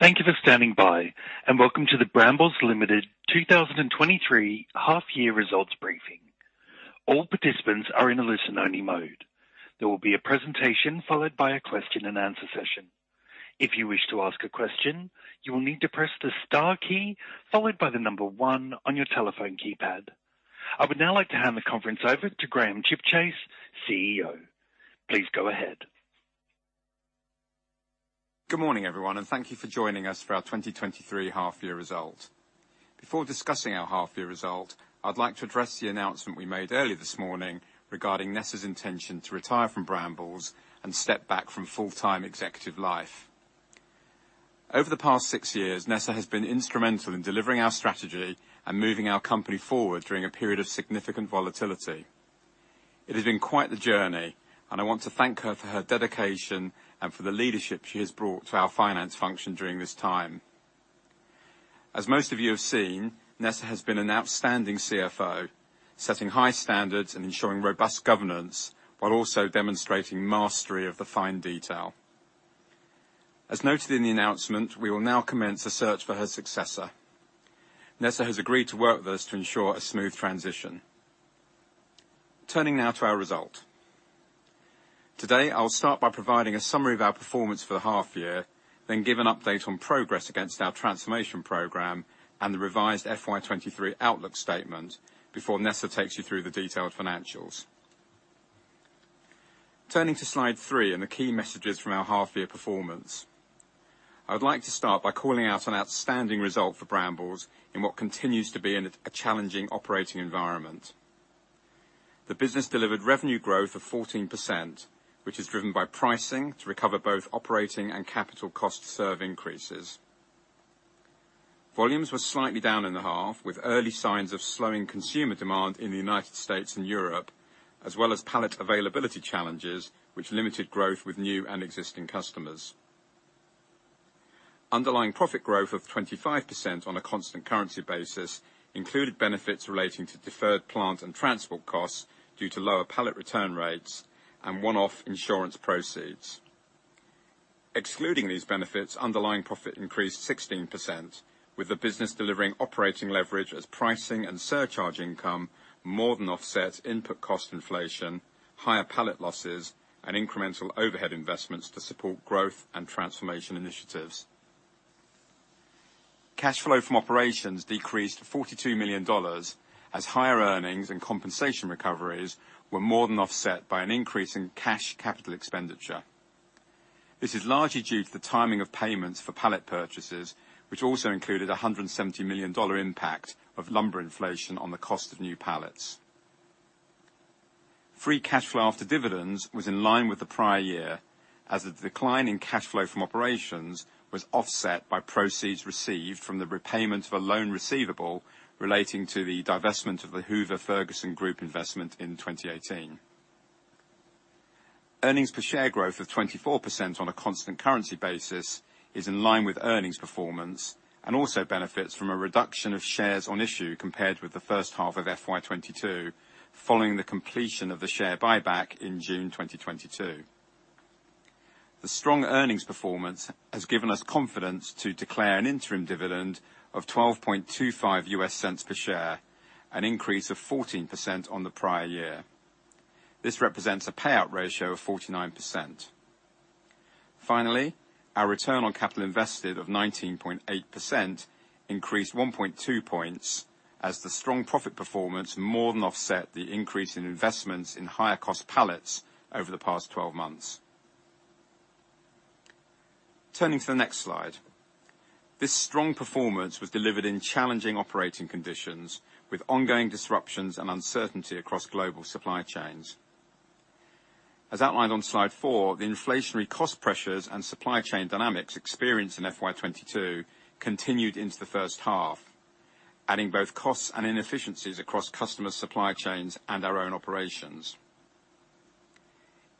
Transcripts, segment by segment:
Thank you for standing by, and welcome to the Brambles Limited 2023 1/2-year results briefing. All participants are in a listen-only mode. There will be a presentation followed by a question and answer session. If you wish to ask a question, you will need to press star key followed by the number one on your telephone keypad. I would now like to hand the conference over to Graham Chipchase, CEO. Please go ahead. Good morning, everyone, and thank you for joining us for our 2023 1/2-year results. Before discussing our 1/2-year results, I'd like to address the announcement we made earlier this morning regarding Nessa's intention to retire from Brambles and step back from full-time executive life. Over the past six years, Nessa has been instrumental in delivering our strategy and moving our company forward during a period of significant volatility. It has been quite the journey, and I want to thank her for her dedication and for the leadership she has brought to our finance function during this time. As most of you have seen, Nessa has been an outstanding CFO, setting high standards and ensuring robust governance while also demonstrating mastery of the fine detail. As noted in the announcement, we will now commence a search for her successor. Nessa has agreed to work with us to ensure a smooth transition. Turning now to our results. Today, I'll start by providing a summary of our performance for the 1/2 year, give an update on progress against our transformation program and the revised FY23 outlook statement before Nessa takes you through the detailed financials. Turning to slide three and the key messages from our half-year performance. I would like to start by calling out an outstanding result for Brambles in what continues to be a challenging operating environment. The business delivered revenue growth of 14%, which is driven by pricing to recover both operating and capital cost serve increases. Volumes were slightly down in the 1/2, with early signs of slowing consumer demand in the U.S. and Europe, as well as pallet availability challenges, which limited growth with new and existing customers. Underlying profit growth of 25% on a constant currency basis included benefits relating to deferred plant and transport costs due to lower pallet return rates and one-off insurance proceeds. Excluding these benefits, Underlying profit increased 16% with the business delivering operating leverage as pricing and surcharge income more than offset input cost inflation, higher pallet losses and incremental overhead investments to support growth and transformation initiatives. Cash flow from operations decreased $42 million as higher earnings and compensation recoveries were more than offset by an increase in cash capital expenditure. This is largely due to the timing of payments for pallet purchases, which also included a $170 million impact of lumber inflation on the cost of new pallets. Free cash flow after dividends was in line with the prior year as the decline in cash flow from operations was offset by proceeds received from the repayment of a loan receivable relating to the divestment of the Hoover Ferguson Group investment in 2018. Earnings per share growth of 24% on a constant currency basis is in line with earnings performance and also benefits from a reduction of shares on issue compared with the H1 of FY22 following the completion of the share buyback in June 2022. The strong earnings performance has given us confidence to declare an interim dividend of $12.25 per share, an increase of 14% on the prior year. This represents a payout ratio of 49%. Our return on capital invested of 19.8% increased 1.2 points as the strong profit performance more than offset the increase in investments in higher cost pallets over the past 12 months. Turning to the next slide. This strong performance was delivered in challenging operating conditions with ongoing disruptions and uncertainty across global supply chains. As outlined on slide four, the inflationary cost pressures and supply chain dynamics experienced in FY22 continued into the H1, adding both costs and inefficiencies across customer supply chains and our own operations.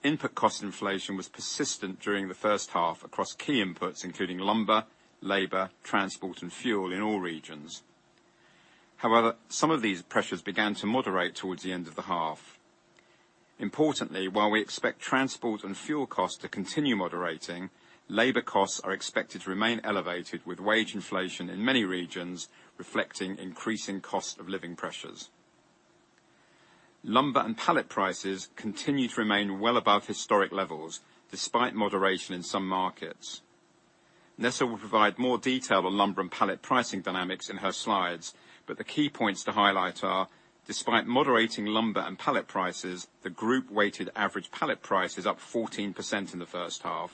Input cost inflation was persistent during the H1 across key inputs, including lumber, labor, transport, and fuel in all regions. However, some of these pressures began to moderate towards the end of the half. Importantly, while we expect transport and fuel costs to continue moderating, labor costs are expected to remain elevated, with wage inflation in many regions reflecting increasing cost of living pressures. Lumber and pallet prices continue to remain well above historic levels despite moderation in some markets. Nessa will provide more detail on lumber and pallet pricing dynamics in her slides, but the key points to highlight are, despite moderating lumber and pallet prices, the group weighted average pallet price is up 14% in the H1.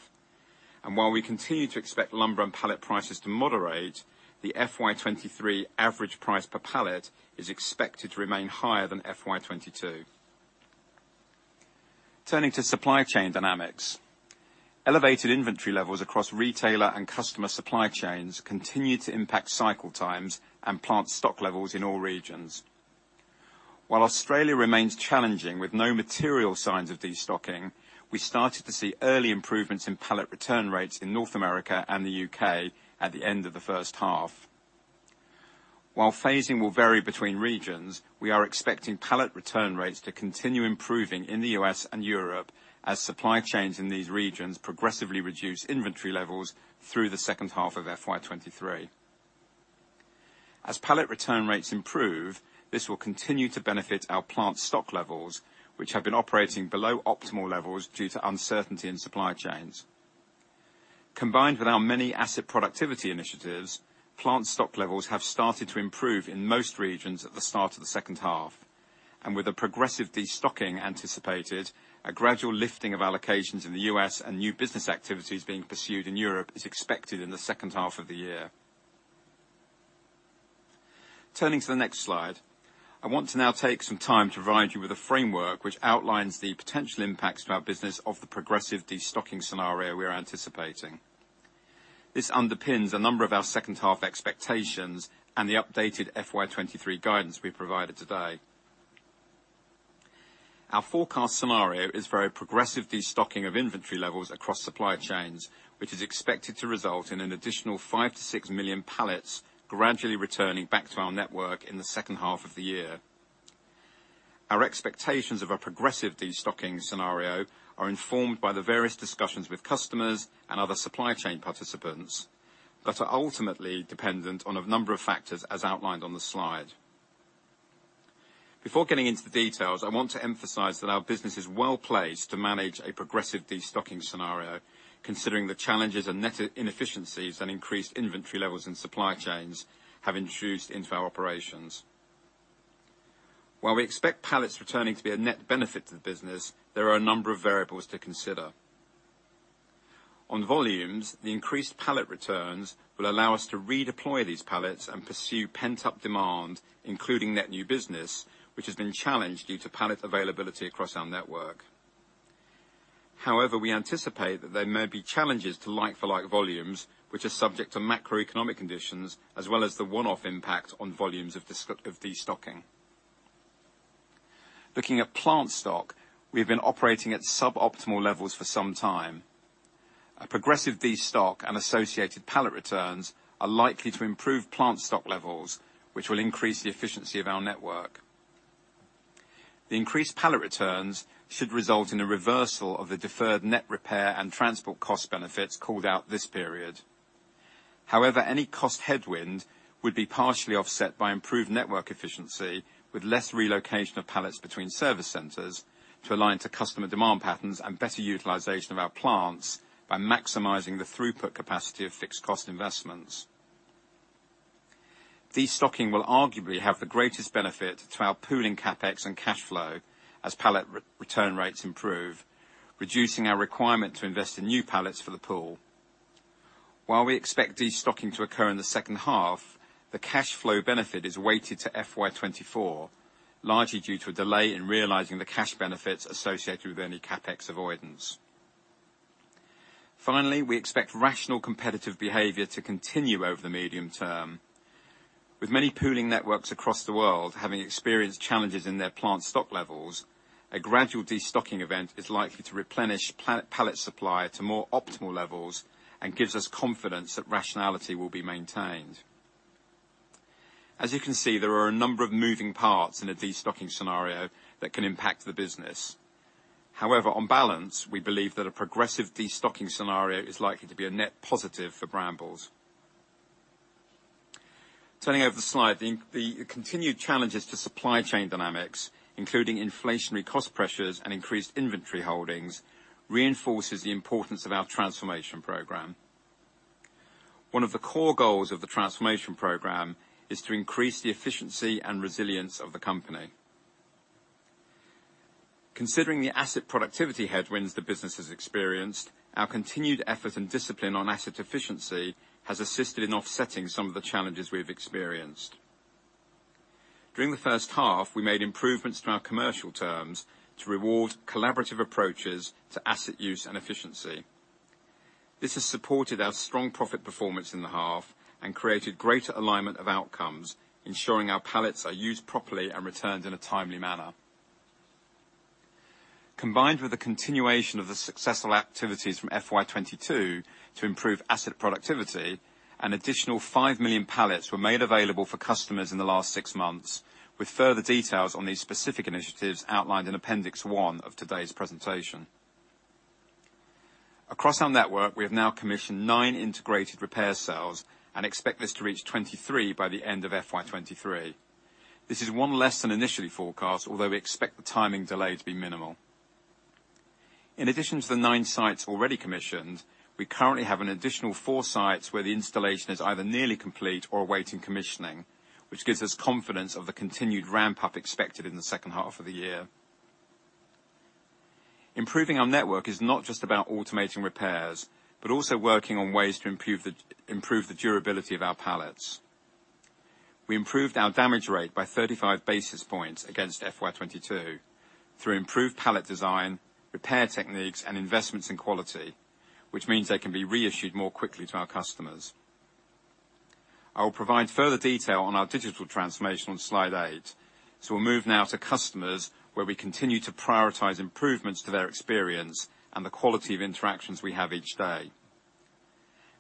While we continue to expect lumber and pallet prices to moderate, the FY23 average price per pallet is expected to remain higher than FY22. Turning to supply chain dynamics. Elevated inventory levels across retailer and customer supply chains continue to impact cycle times and plant stock levels in all regions. Australia remains challenging with no material signs of destocking, we started to see early improvements in pallet return rates in North America and the U.K. at the end of the H1. Phasing will vary between regions, we are expecting pallet return rates to continue improving in the U.S. and Europe as supply chains in these regions progressively reduce inventory levels through the H2 of FY 23. Pallet return rates improve, this will continue to benefit our plant stock levels, which have been operating below optimal levels due to uncertainty in supply chains. Combined with our many asset productivity initiatives, plant stock levels have started to improve in most regions at the start of the H2. With a progressive destocking anticipated, a gradual lifting of allocations in the US and new business activities being pursued in Europe is expected in the H2 of the year. Turning to the next slide. I want to now take some time to provide you with a framework which outlines the potential impacts to our business of the progressive destocking scenario we are anticipating. This underpins a number of our H2 expectations and the updated FY 2023 guidance we provided today. Our forecast scenario is for a progressive destocking of inventory levels across supply chains, which is expected to result in an additional 5 million-6 million pallets gradually returning back to our network in the H2 of the year. Our expectations of a progressive destocking scenario are informed by the various discussions with customers and other supply chain participants that are ultimately dependent on a number of factors, as outlined on the slide. Before getting into the details, I want to emphasize that our business is well-placed to manage a progressive destocking scenario, considering the challenges and net inefficiencies and increased inventory levels in supply chains have introduced into our operations. While we expect pallets returning to be a net benefit to the business, there are a number of variables to consider. On volumes, the increased pallet returns will allow us to redeploy these pallets and pursue pent-up demand, including net new business, which has been challenged due to pallet availability across our network. We anticipate that there may be challenges to like-for-like volumes, which are subject to macroeconomic conditions, as well as the one-off impact on volumes of destocking. Looking at plant stock, we have been operating at suboptimal levels for some time. A progressive destock and associated pallet returns are likely to improve plant stock levels, which will increase the efficiency of our network. The increased pallet returns should result in a reversal of the deferred net repair and transport cost benefits called out this period. Any cost headwind would be partially offset by improved network efficiency, with less relocation of pallets between service centers to align to customer demand patterns and better utilization of our plants by maximizing the throughput capacity of fixed cost investments. Destocking will arguably have the greatest benefit to our pooling CapEx and cash flow as pallet re-return rates improve, reducing our requirement to invest in new pallets for the pool. While we expect destocking to occur in the H2, the cash flow benefit is weighted to FY 2024, largely due to a delay in realizing the cash benefits associated with any CapEx avoidance. Finally, we expect rational competitive behavior to continue over the medium term. With many pooling networks across the world having experienced challenges in their plant stock levels, a gradual destocking event is likely to replenish plant-pallet supply to more optimal levels and gives us confidence that rationality will be maintained. As you can see, there are a number of moving parts in a destocking scenario that can impact the business. On balance, we believe that a progressive destocking scenario is likely to be a net positive for Brambles. Turning over the slide, the continued challenges to supply chain dynamics, including inflationary cost pressures and increased inventory holdings, reinforces the importance of our transformation program. One of the core goals of the transformation program is to increase the efficiency and resilience of the company. Considering the asset productivity headwinds the business has experienced, our continued effort and discipline on asset efficiency has assisted in offsetting some of the challenges we have experienced. During the H1, we made improvements to our commercial terms to reward collaborative approaches to asset use and efficiency. This has supported our strong profit performance in the 1/2 and created greater alignment of outcomes, ensuring our pallets are used properly and returned in a timely manner. Combined with the continuation of the successful activities from FY22 to improve asset productivity, an additional 5 million pallets were made available for customers in the last six months to nine months, with further details on these specific initiatives outlined in Appendix 1 of today's presentation. Across our network, we have now commissioned nine automated repair cells and expect this to reach 23 by the end of FY23. This is one less than initially forecast, although we expect the timing delay to be minimal. In addition to the nine sites already commissioned, we currently have an additional four sites where the installation is either nearly complete or awaiting commissioning, which gives us confidence of the continued ramp-up expected in the H2 of the year. Improving our network is not just about automating repairs, but also working on ways to improve the durability of our pallets. We improved our damage rate by 35 basis points against FY 2022 through improved pallet design, repair techniques, and investments in quality, which means they can be reissued more quickly to our customers. I will provide further detail on our digital transformation on slide eight, so we'll move now to customers, where we continue to prioritize improvements to their experience and the quality of interactions we have each day.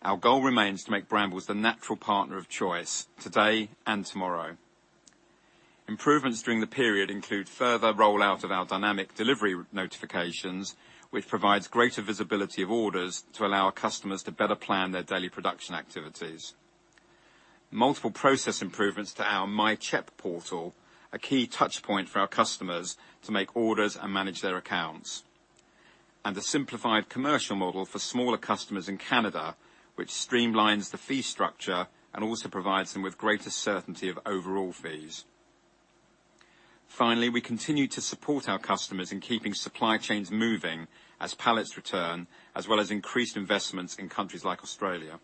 Our goal remains to make Brambles the natural partner of choice today and tomorrow. Improvements during the period include further rollout of our dynamic delivery notifications, which provides greater visibility of orders to allow our customers to better plan their daily production activities. Multiple process improvements to our myCHEP portal, a key touch point for our customers to make orders and manage their accounts. A simplified commercial model for smaller customers in Canada, which streamlines the fee structure and also provides them with greater certainty of overall fees. Finally, we continue to support our customers in keeping supply chains moving as pallets return, as well as increased investments in countries like Australia.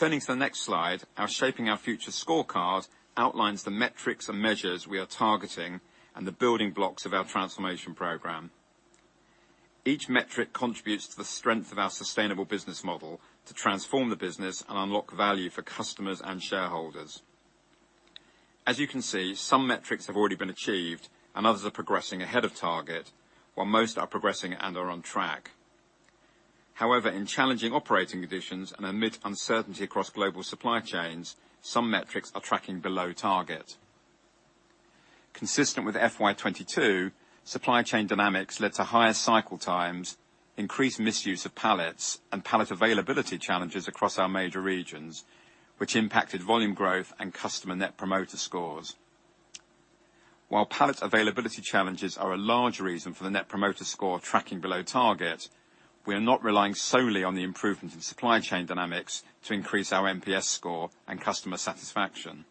Turning to the next slide, our Shaping Our Future scorecard outlines the metrics and measures we are targeting and the building blocks of our transformation program. Each metric contributes to the strength of our sustainable business model to transform the business and unlock value for customers and shareholders. As you can see, some metrics have already been achieved and others are progressing ahead of target, while most are progressing and are on track. However, in challenging operating conditions and amid uncertainty across global supply chains, some metrics are tracking below target. Consistent with FY22, supply chain dynamics led to higher cycle times, increased misuse of pallets, and pallet availability challenges across our major regions, which impacted volume growth and customer net promoter scores. While pallet availability challenges are a large reason for the net promoter score tracking below target, we are not relying solely on the improvements in supply chain dynamics to increase our NPS score and customer satisfaction.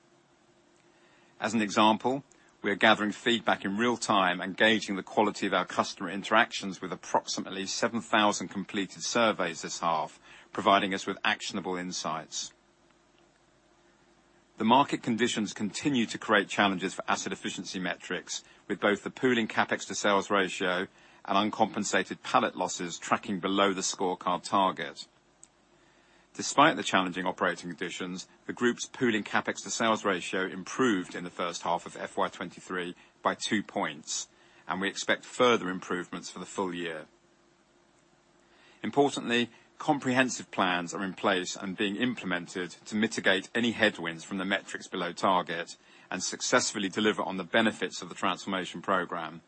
As an example, we are gathering feedback in real time and gauging the quality of our customer interactions with approximately 7,000 completed surveys this 1/2, providing us with actionable insights. The market conditions continue to create challenges for asset efficiency metrics with both the pooling CapEx to sales ratio and uncompensated pallet losses tracking below the scorecard target. Despite the challenging operating conditions, the group's pooling CapEx to sales ratio improved in the H1 of FY23 by two points. We expect further improvements for the full year. Importantly, comprehensive plans are in place and being implemented to mitigate any headwinds from the metrics below target and successfully deliver on the benefits of the transformation program.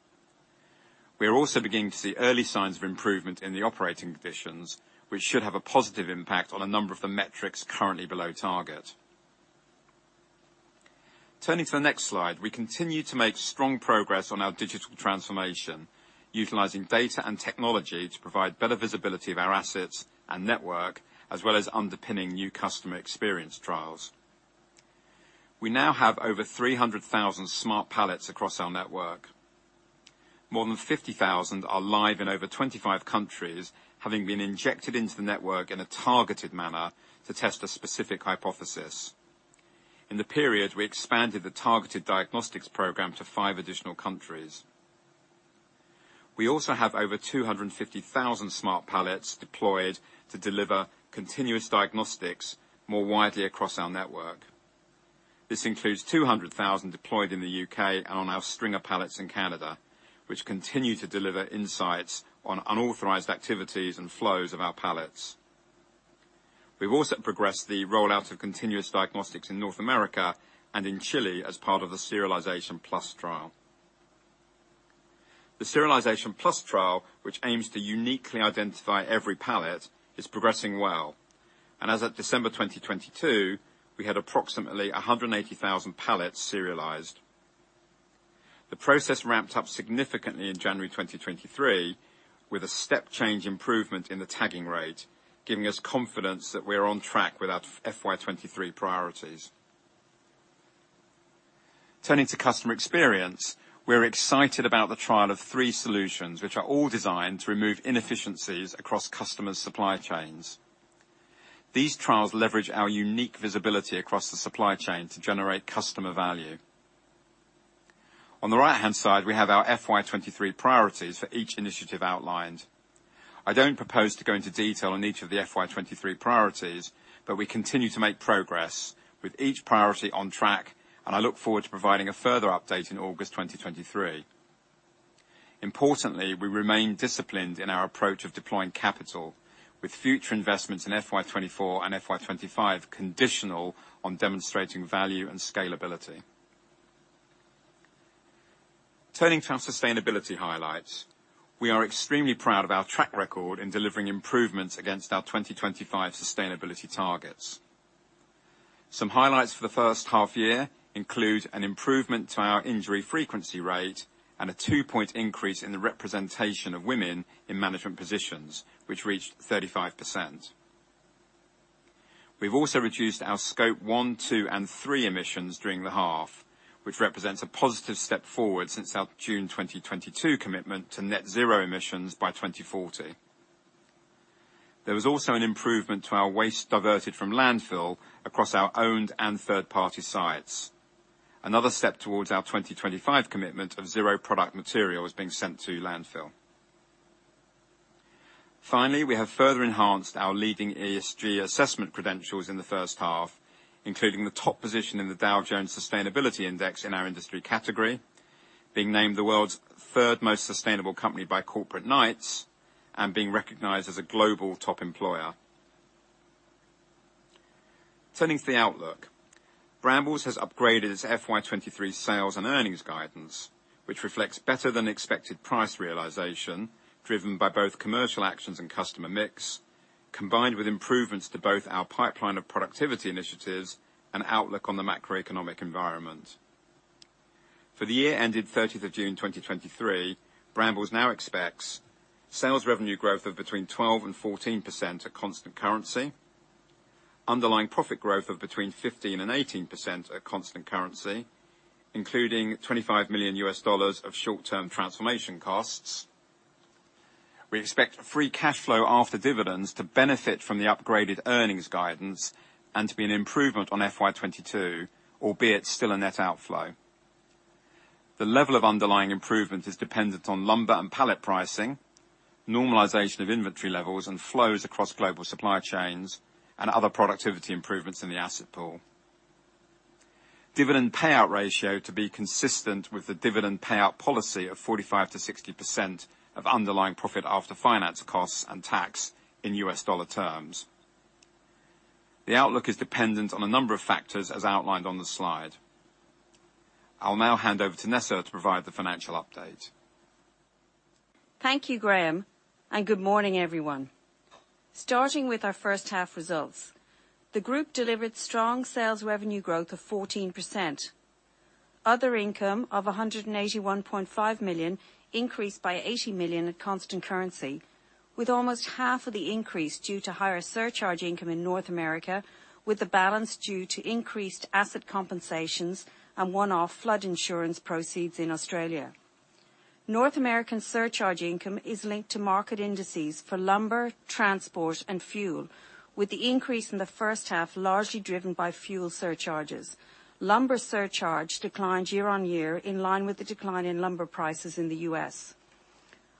We are also beginning to see early signs of improvement in the operating conditions, which should have a positive impact on a number of the metrics currently below target. Turning to the next slide, we continue to make strong progress on our digital transformation, utilizing data and technology to provide better visibility of our assets and network, as well as underpinning new customer experience trials. We now have over 300,000 smart pallets across our network. More than 50,000 are live in over 25 countries, having been injected into the network in a targeted manner to test a specific hypothesis. In the period, we expanded the targeted diagnostics program to five additional countries. We also have over 250,000 smart pallets deployed to deliver continuous diagnostics more widely across our network. This includes 200,000 deployed in the U.K. and on our stringer pallets in Canada, which continue to deliver insights on unauthorized activities and flows of our pallets. We've also progressed the rollout of continuous diagnostics in North America and in Chile as part of the Serialisation Plus trial. The Serialisation Plus trial, which aims to uniquely identify every pallet, is progressing well. As of December 2022, we had approximately 180,000 pallets serialized. The process ramped up significantly in January 2023, with a step change improvement in the tagging rate, giving us confidence that we are on track with our FY23 priorities. Turning to customer experience, we're excited about the trial of three solutions, which are all designed to remove inefficiencies across customers' supply chains. These trials leverage our unique visibility across the supply chain to generate customer value. On the right-hand side, we have our FY23 priorities for each initiative outlined. I don't propose to go into detail on each of the FY23 priorities, but we continue to make progress with each priority on track, and I look forward to providing a further update in August 2023. Importantly, we remain disciplined in our approach of deploying capital with future investments in FY24 and FY25 conditional on demonstrating value and scalability. Turning to our sustainability highlights. We are extremely proud of our track record in delivering improvements against our 2025 sustainability targets. Some highlights for the H1 year include an improvement to our injury frequency rate and a two-point increase in the representation of women in management positions, which reached 35%. We've also reduced our Scope 1, Scope 2, and Scope 3 emissions during the 1/2, which represents a positive step forward since our June 2022 commitment to net zero emissions by 2040. There was also an improvement to our waste diverted from landfill across our owned and third-party sites. Another step towards our 2025 commitment of zero product material is being sent to landfill. We have further enhanced our leading ESG assessment credentials in the H1, including the top position in the Dow Jones Sustainability Index in our industry category. Being named the world's third most sustainable company by Corporate Knights and being recognized as a global top employer. Turning to the outlook. Brambles has upgraded its FY23 sales and earnings guidance, which reflects better than expected price realization, driven by both commercial actions and customer mix, combined with improvements to both our pipeline of productivity initiatives and outlook on the macroeconomic environment. For the year ended June 30, 2023, Brambles now expects sales revenue growth of between 12%-14% at constant currency, Underlying Profit growth of between 15%-18% at constant currency, including $25 million of short-term transformation costs. We expect free cash flow after dividends to benefit from the upgraded earnings guidance and to be an improvement on FY22, albeit still a net outflow. The level of underlying improvement is dependent on lumber and pallet pricing, normalization of inventory levels and flows across global supply chains, and other productivity improvements in the asset pool. Dividend payout ratio to be consistent with the dividend payout policy of 45%-60% of underlying profit after finance costs and tax in US dollar terms. The outlook is dependent on a number of factors as outlined on the slide. I'll now hand over to Nessa to provide the financial update. Thank you, Graham. Good morning, everyone. Starting with our H1 results. The group delivered strong sales revenue growth of 14%. Other income of $181.5 million increased by $80 million at constant currency, with almost 1/2 of the increase due to higher surcharge income in North America, with the balance due to increased asset compensations and one-off flood insurance proceeds in Australia. North American surcharge income is linked to market indices for lumber, transport, and fuel, with the increase in the H1 largely driven by fuel surcharges. Lumber surcharge declined year-on-year in line with the decline in lumber prices in the U.S.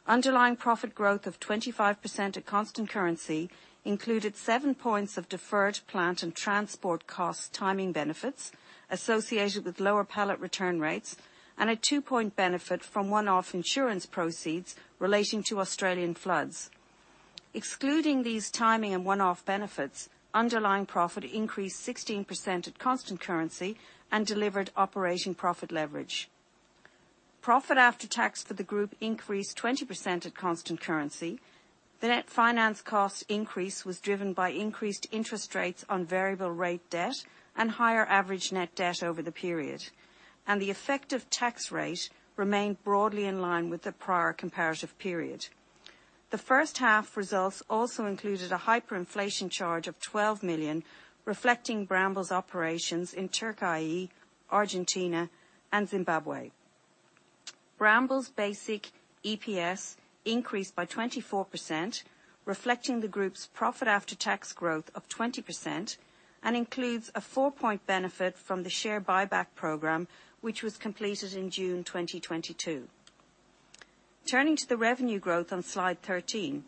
Underlying Profit growth of 25% at constant currency included seven points of deferred plant and transport costs timing benefits associated with lower pallet return rates and a two-point benefit from one-off insurance proceeds relating to Australian floods. Excluding these timing and one-off benefits, Underlying Profit increased 16% at constant currency and delivered operating profit leverage. Profit after tax for the group increased 20% at constant currency. The net finance cost increase was driven by increased interest rates on variable rate debt and higher average net debt over the period, and the effective tax rate remained broadly in line with the prior comparative period. The H1 results also included a hyperinflation charge of $12 million, reflecting Brambles operations in Türkiye, Argentina, and Zimbabwe. Brambles basic EPS increased by 24%, reflecting the group's profit after tax growth of 20% and includes a four-point benefit from the share buyback program, which was completed in June 2022. Turning to the revenue growth on slide 13.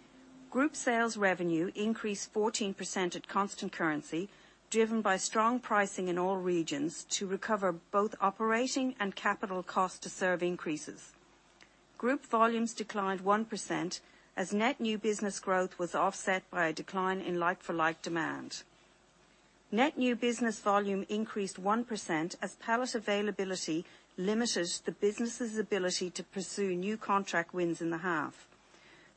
Group sales revenue increased 14% at constant currency driven by strong pricing in all regions to recover both operating and capital cost to serve increases. Group volumes declined 1% as net new business growth was offset by a decline in like-for-like demand. Net new business volume increased 1% as pallet availability limited the business's ability to pursue new contract wins in the half.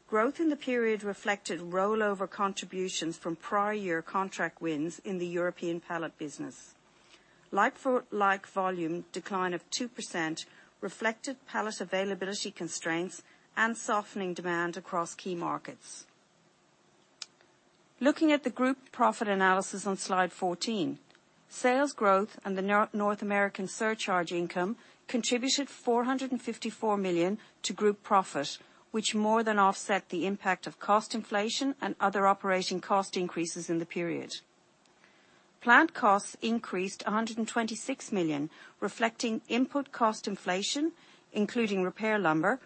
Growth in the period reflected rollover contributions from prior year contract wins in the European pallet business. Like-for-like volume decline of 2% reflected pallet availability constraints and softening demand across key markets. Looking at the group profit analysis on slide 14. Sales growth and the North American surcharge income contributed $454 million to group profit, which more than offset the impact of cost inflation and other operating cost increases in the period. Plant costs increased $126 million, reflecting input cost inflation, including repair lumber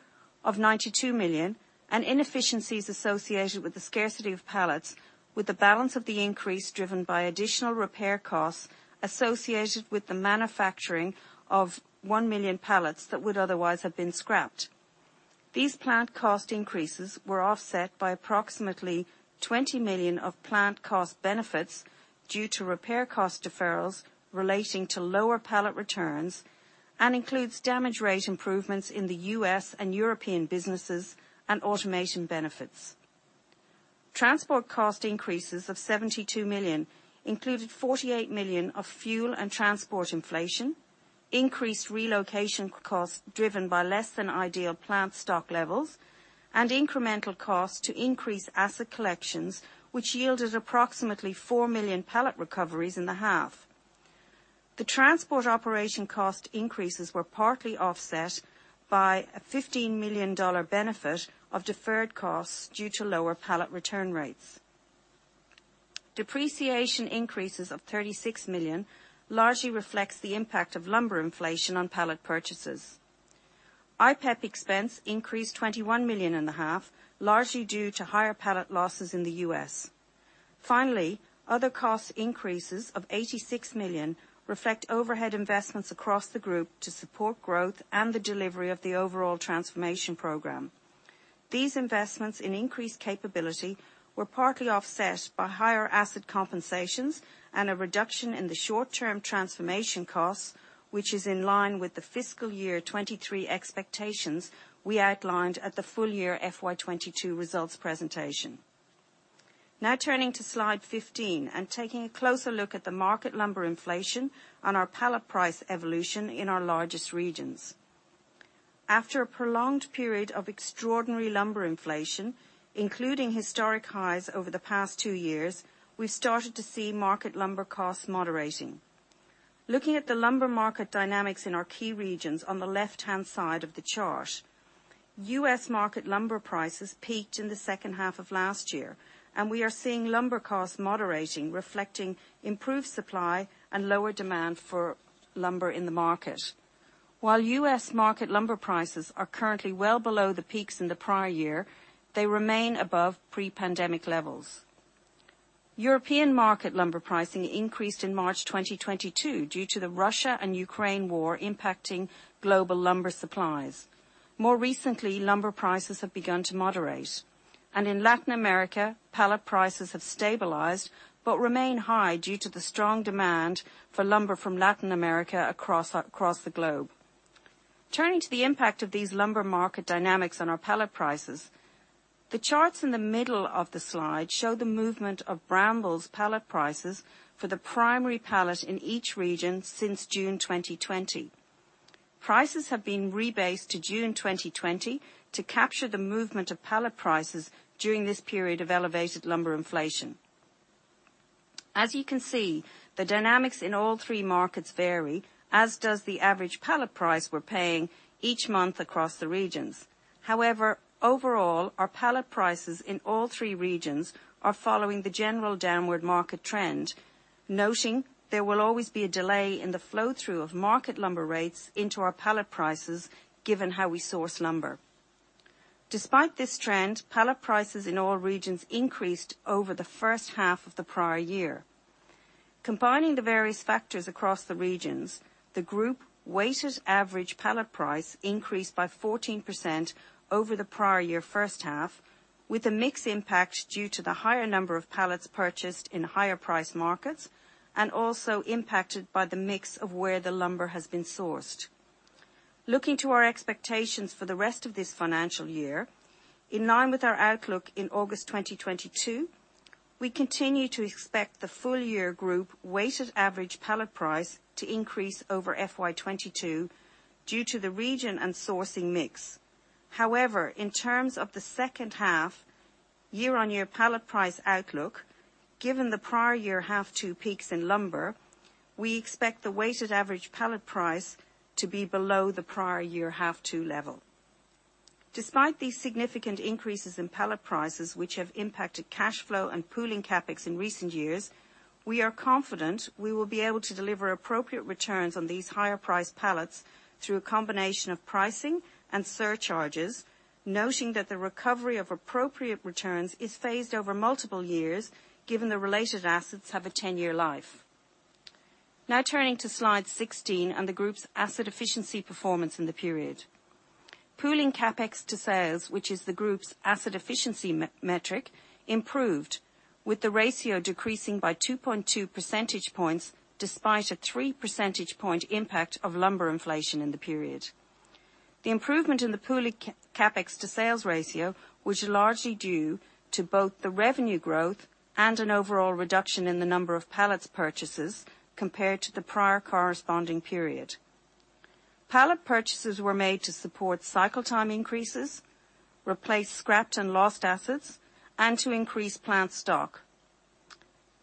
of $92 million and inefficiencies associated with the scarcity of pallets, with the balance of the increase driven by additional repair costs associated with the manufacturing of 1 million pallets that would otherwise have been scrapped. These plant cost increases were offset by approximately $20 million of plant cost benefits due to repair cost deferrals relating to lower pallet returns and includes damage rate improvements in the U.S. and European businesses and automation benefits. Transport cost increases of $72 million included $48 million of fuel and transport inflation, increased relocation costs driven by less than ideal plant stock levels, and incremental costs to increase asset collections, which yielded approximately 4 million pallet recoveries in the half. The transport operation cost increases were partly offset by a $15 million benefit of deferred costs due to lower pallet return rates. Depreciation increases of $36 million largely reflects the impact of lumber inflation on pallet purchases. IPEP expense increased $21 million in the half, largely due to higher pallet losses in the U.S.. Finally, other cost increases of $86 million reflect overhead investments across the group to support growth and the delivery of the overall transformation program. These investments in increased capability were partly offset by higher asset compensations and a reduction in the short-term transformation costs, which is in line with the fiscal year 2023 expectations we outlined at the full year FY22 results presentation. Now turning to slide 15, and taking a closer look at the market lumber inflation on our pallet price evolution in our largest regions. After a prolonged period of extraordinary lumber inflation, including historic highs over the past two years, we started to see market lumber costs moderating. Looking at the lumber market dynamics in our key regions on the left-hand side of the chart, U.S. market lumber prices peaked in the H2 of last year, and we are seeing lumber costs moderating, reflecting improved supply and lower demand for lumber in the market. While U.S. market lumber prices are currently well below the peaks in the prior year, they remain above pre-pandemic levels. European market lumber pricing increased in March 2022 due to the Russia and Ukraine war impacting global lumber supplies. More recently, lumber prices have begun to moderate. In Latin America, pallet prices have stabilized but remain high due to the strong demand for lumber from Latin America across the globe. Turning to the impact of these lumber market dynamics on our pallet prices, the charts in the middle of the slide show the movement of Brambles pallet prices for the primary pallet in each region since June 2020. Prices have been rebased to June 2020 to capture the movement of pallet prices during this period of elevated lumber inflation. You can see, the dynamics in all three markets vary, as does the average pallet price we're paying each month across the regions. Overall, our pallet prices in all three regions are following the general downward market trend. Noting there will always be a delay in the flow-through of market lumber rates into our pallet prices given how we source lumber. Despite this trend, pallet prices in all regions increased over the H1 of the prior year. Combining the various factors across the regions, the group weighted average pallet price increased by 14% over the prior year H1, with a mix impact due to the higher number of pallets purchased in higher price markets and also impacted by the mix of where the lumber has been sourced. Looking to our expectations for the rest of this financial year, in line with our outlook in August 2022, we continue to expect the full year group weighted average pallet price to increase over FY22 due to the region and sourcing mix. However, in terms of the H2 year-on-year pallet price outlook, given the prior yearH1 peaks in lumber, we expect the weighted average pallet price to be below the prior year H2 level. Despite these significant increases in pallet prices, which have impacted cash flow and pooling CapEx in recent years, we are confident we will be able to deliver appropriate returns on these higher price pallets through a combination of pricing and surcharges. Noting that the recovery of appropriate returns is phased over multiple years given the related assets have a 10-year life. Turning to slide 16 and the group's asset efficiency performance in the period. Pooling CapEx to sales, which is the group's asset efficiency metric, improved with the ratio decreasing by 2.2 percentage points despite a 3 percentage point impact of lumber inflation in the period. The improvement in the pooling CapEx to sales ratio, which are largely due to both the revenue growth and an overall reduction in the number of pallets purchases compared to the prior corresponding period. Pallet purchases were made to support cycle time increases, replace scrapped and lost assets, and to increase plant stock.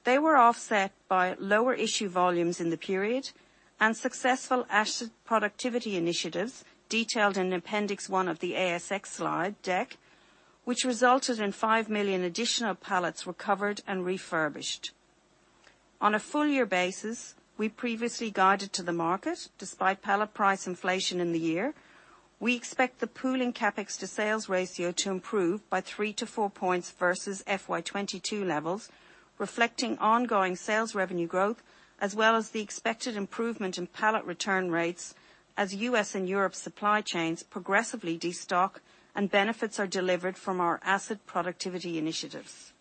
They were offset by lower issue volumes in the period and successful asset productivity initiatives detailed in Appendix 1 of the ASX slide deck, which resulted in 5 million additional pallets recovered and refurbished. On a full year basis, we previously guided to the market despite pallet price inflation in the year. We expect the pooling CapEx to sales ratio to improve by three points to four points versus FY22 levels, reflecting ongoing sales revenue growth, as well as the expected improvement in pallet return rates as U.S. and Europe supply chains progressively destock and benefits are delivered from our asset productivity initiatives.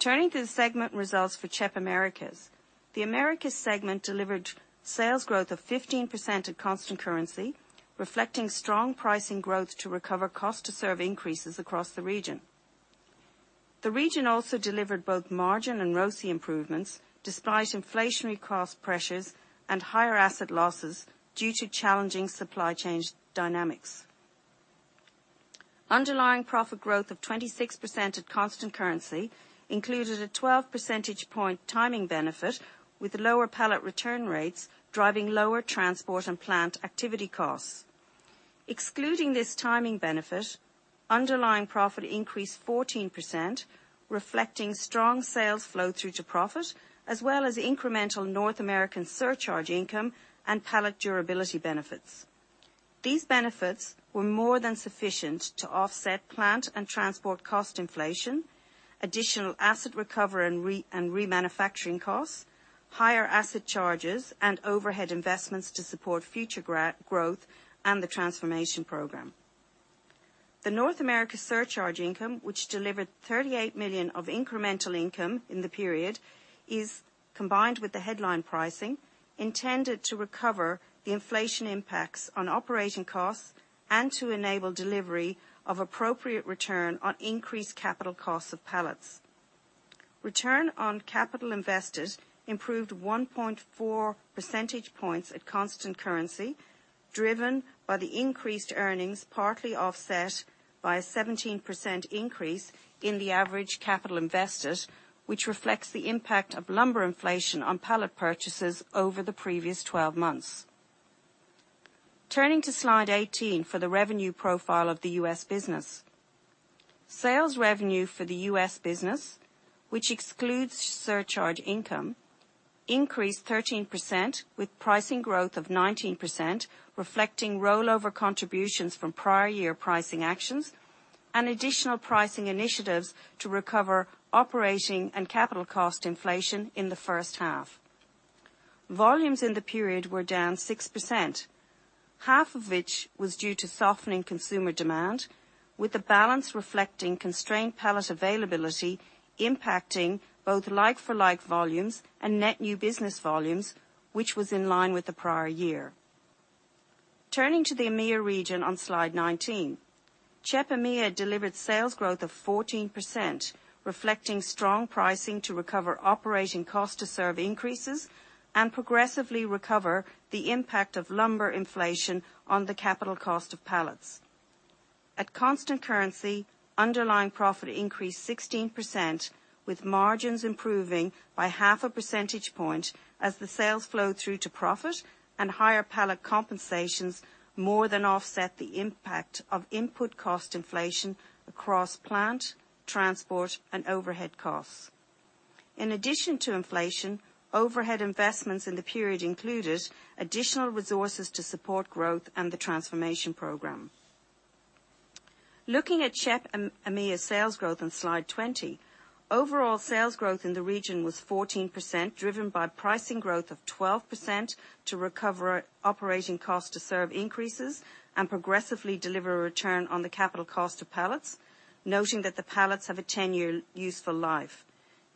Turning to the segment results for CHEP Americas. The Americas segment delivered sales growth of 15% at constant currency, reflecting strong pricing growth to recover cost to serve increases across the region. The region also delivered both margin and ROCE improvements despite inflationary cost pressures and higher asset losses due to challenging supply chain dynamics. Underlying Profit growth of 26% at constant currency included a 12 percentage point timing benefit, with lower pallet return rates driving lower transport and plant activity costs. Excluding this timing benefit, Underlying Profit increased 14%, reflecting strong sales flow through to profit, as well as incremental North American surcharge income and pallet durability benefits. These benefits were more than sufficient to offset plant and transport cost inflation, additional asset recovery and remanufacturing costs, higher asset charges and overhead investments to support future growth, and the transformation program. The North America surcharge income, which delivered $38 million of incremental income in the period is, combined with the headline pricing, intended to recover the inflation impacts on operating costs and to enable delivery of appropriate return on increased capital costs of pallets. Return On Capital Invested improved 1.4 percentage points at constant currency, driven by the increased earnings, partly offset by a 17% increase in the Average Capital Invested, which reflects the impact of lumber inflation on pallet purchases over the previous 12 months. Turning to slide 18 for the revenue profile of the U.S. business. Sales revenue for the U.S. business, which excludes surcharge income, increased 13% with pricing growth of 19%, reflecting rollover contributions from prior year pricing actions and additional pricing initiatives to recover operating and capital cost inflation in the H1. Volumes in the period were down 6% 1/2 of which was due to softening consumer demand, with the balance reflecting constrained pallet availability impacting both like-for-like volumes and net new business volumes, which was in line with the prior year. Turning to the EMEA region on slide 19. CHEP EMEA delivered sales growth of 14%, reflecting strong pricing to recover operating cost to serve increases and progressively recover the impact of lumber inflation on the capital cost of pallets. At constant currency, underlying profit increased 16%, with margins improving by 0.5 percentage point as the sales flow through to profit and higher pallet compensations more than offset the impact of input cost inflation across plant, transport and overhead costs. In addition to inflation, overhead investments in the period included additional resources to support growth and the transformation program. Looking at CHEP EMEA sales growth on slide 20. Overall sales growth in the region was 14%, driven by pricing growth of 12% to recover operating cost to serve increases and progressively deliver a return on the capital cost of pallets, noting that the pallets have a 10-year useful life.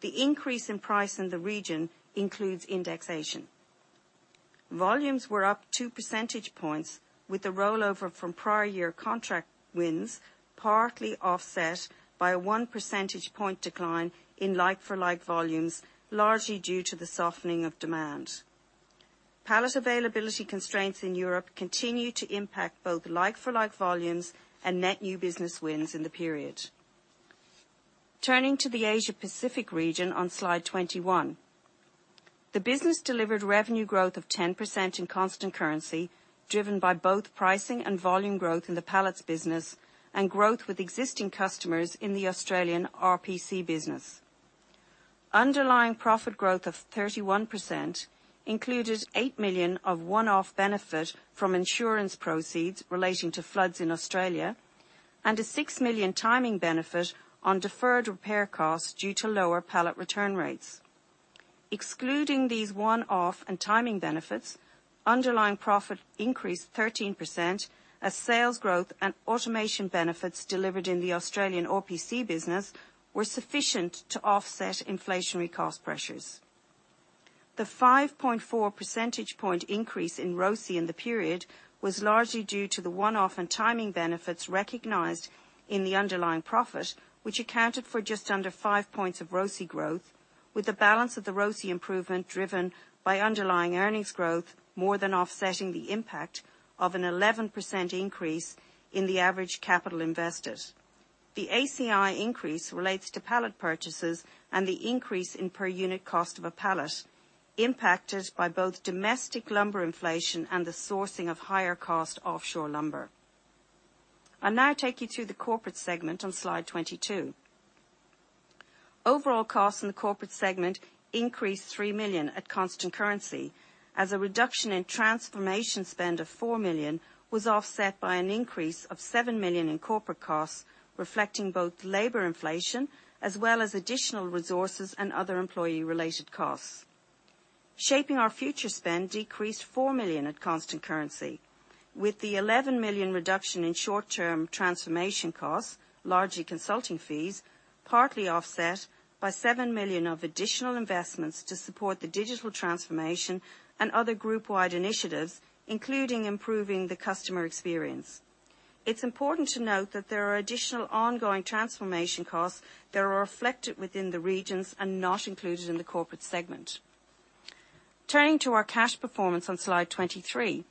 The increase in price in the region includes indexation. Volumes were up 2 percentage points with the rollover from prior year contract wins, partly offset by a 1 percentage point decline in like-for-like volumes, largely due to the softening of demand. Pallet availability constraints in Europe continue to impact both like-for-like volumes and net new business wins in the period. Turning to the Asia Pacific region on slide 21. The business delivered revenue growth of 10% in constant currency, driven by both pricing and volume growth in the pallets business and growth with existing customers in the Australian RPC business. Underlying Profit growth of 31% included 8 million of one-off benefit from insurance proceeds relating to floods in Australia and a $6 million timing benefit on deferred repair costs due to lower pallet return rates. Excluding these one-off and timing benefits, Underlying Profit increased 13% as sales growth and automation benefits delivered in the Australian RPC business were sufficient to offset inflationary cost pressures. The 5.4 percentage point increase in ROCE in the period was largely due to the one-off and timing benefits recognized in the Underlying Profit, which accounted for just under five points of ROCE growth, with the balance of the ROCE improvement driven by underlying earnings growth more than offsetting the impact of an 11% increase in the Average Capital Invested. The ACI increase relates to pallet purchases and the increase in per unit cost of a pallet impacted by both domestic lumber inflation and the sourcing of higher cost offshore lumber. I'll now take you through the corporate segment on slide 22. Overall costs in the corporate segment increased $3 million at constant currency as a reduction in transformation spend of $4 million was offset by an increase of $7 million in corporate costs, reflecting both labor inflation as well as additional resources and other employee related costs. Shaping Our Future spend decreased $4 million at constant currency, with the $11 million reduction in short-term transformation costs, largely consulting fees, partly offset by $7 million of additional investments to support the digital transformation and other group-wide initiatives, including improving the customer experience. It's important to note that there are additional ongoing transformation costs that are reflected within the regions and not included in the corporate segment. Turning to our cash performance on slide 23.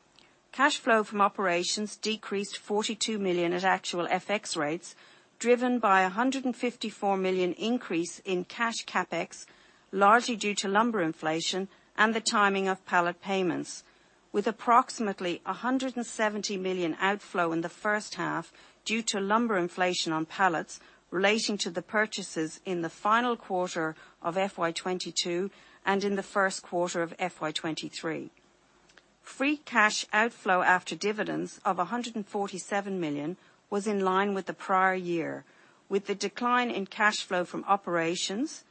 Cash flow from operations decreased $42 million at actual FX rates, driven by a $154 million increase in cash CapEx, largely due to lumber inflation and the timing of pallet payments. With approximately a $170 million outflow in the H1 due to lumber inflation on pallets relating to the purchases in the final quarter of FY22 and in the Q1 of FY23. Free cash outflow after dividends of $147 million was in line with the prior year, with the decline in cash flow from operations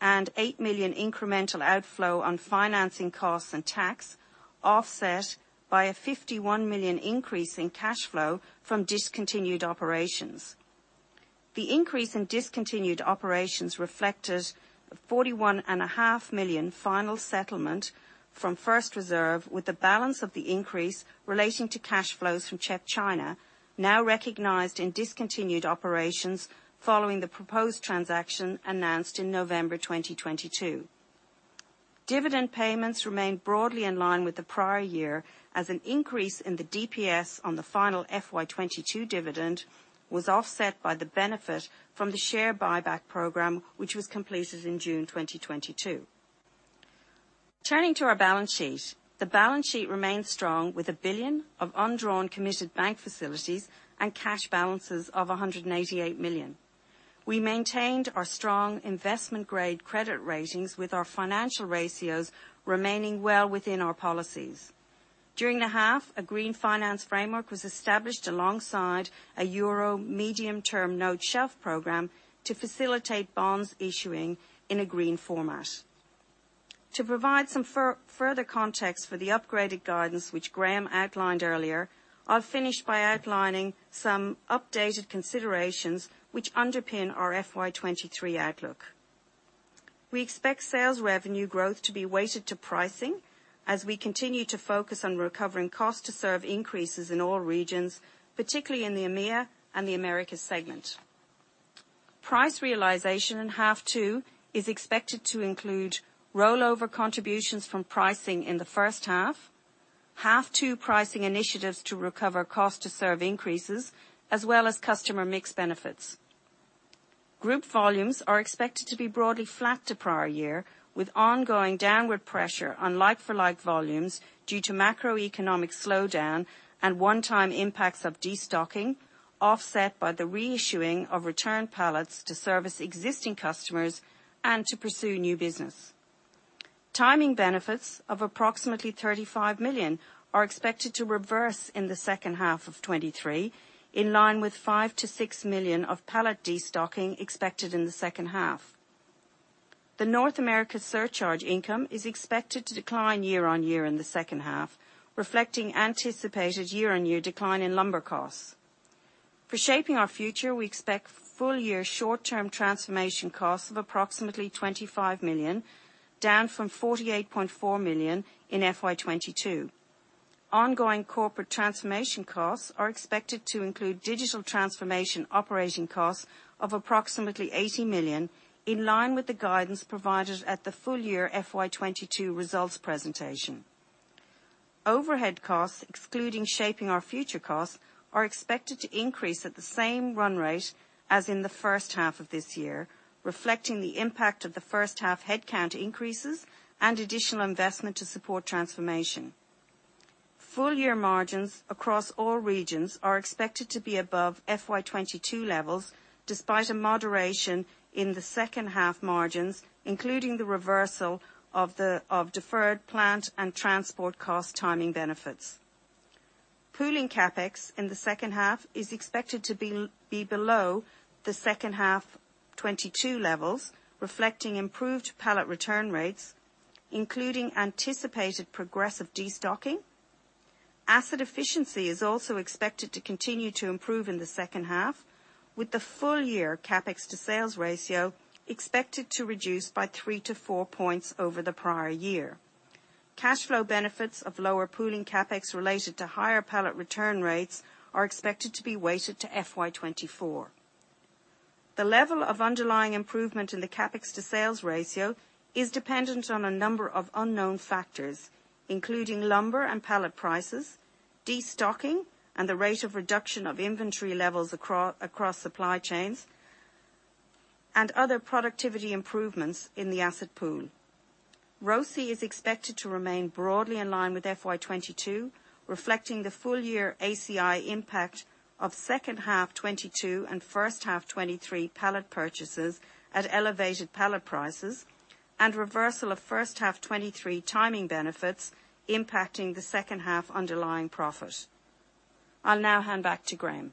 and $8 million incremental outflow on financing costs and tax offset by a $51 million increase in cash flow from discontinued operations. The increase in discontinued operations reflected $41.5 million final settlement from First Reserve, with the balance of the increase relating to cash flows from CHEP China now recognized in discontinued operations following the proposed transaction announced in November 2022. Dividend payments remained broadly in line with the prior year, as an increase in the DPS on the final FY22 dividend was offset by the benefit from the share buyback program, which was completed in June 2022. Turning to our balance sheet. The balance sheet remained strong with $1 billion of undrawn committed bank facilities and cash balances of $188 million. We maintained our strong investment-grade credit ratings with our financial ratios remaining well within our policies. During the half, a Green Finance Framework was established alongside a euro medium-term note shelf program to facilitate bonds issuing in a green format. To provide some further context for the upgraded guidance, which Graham outlined earlier, I'll finish by outlining some updated considerations which underpin our FY23 outlook. We expect sales revenue growth to be weighted to pricing as we continue to focus on recovering cost to serve increases in all regions, particularly in the EMEA and the Americas segment. Price realization in H2 is expected to include rollover contributions from pricing in the H1 two pricing initiatives to recover cost to serve increases, as well as customer mix benefits. Group volumes are expected to be broadly flat to prior year, with ongoing downward pressure on like-for-like volumes due to macroeconomic slowdown and one-time impacts of destocking offset by the reissuing of return pallets to service existing customers and to pursue new business. Timing benefits of approximately $35 million are expected to reverse in the H2 of 2023, in line with $5 million-$6 million of pallet destocking expected in the H2. The North America surcharge income is expected to decline year-on-year in the H2, reflecting anticipated year-on-year decline in lumber costs. For Shaping Our Future, we expect full-year short-term transformation costs of approximately $25 million, down from $48.4 million in FY22. Ongoing corporate transformation costs are expected to include digital transformation operating costs of approximately $80 million, in line with the guidance provided at the full year FY22 results presentation. Overhead costs, excluding Shaping Our Future costs, are expected to increase at the same run rate as in the H1 of this year, reflecting the impact of the H1 headcount increases and additional investment to support transformation. Full-year margins across all regions are expected to be above FY22 levels, despite a moderation in the H2 margins, including the reversal of deferred plant and transport cost timing benefits. Pooling CapEx in the H2 is expected to be below the H2 of 2022 levels, reflecting improved pallet return rates, including anticipated progressive destocking. Asset efficiency is also expected to continue to improve in the H2, with the full-year CapEx to sales ratio expected to reduce by three points-four points over the prior year. Cash flow benefits of lower pooling CapEx related to higher pallet return rates are expected to be weighted to FY24. The level of underlying improvement in the CapEx to sales ratio is dependent on a number of unknown factors, including lumber and pallet prices, destocking and the rate of reduction of inventory levels across supply chains, and other productivity improvements in the asset pool. ROCE is expected to remain broadly in line with FY22, reflecting the full year ACI impact of H2 of 2022 and H1 of 2023 pallet purchases at elevated pallet prices and reversal of H1 of 2023 timing benefits impacting the H2 underlying profit. I'll now hand back to Graham.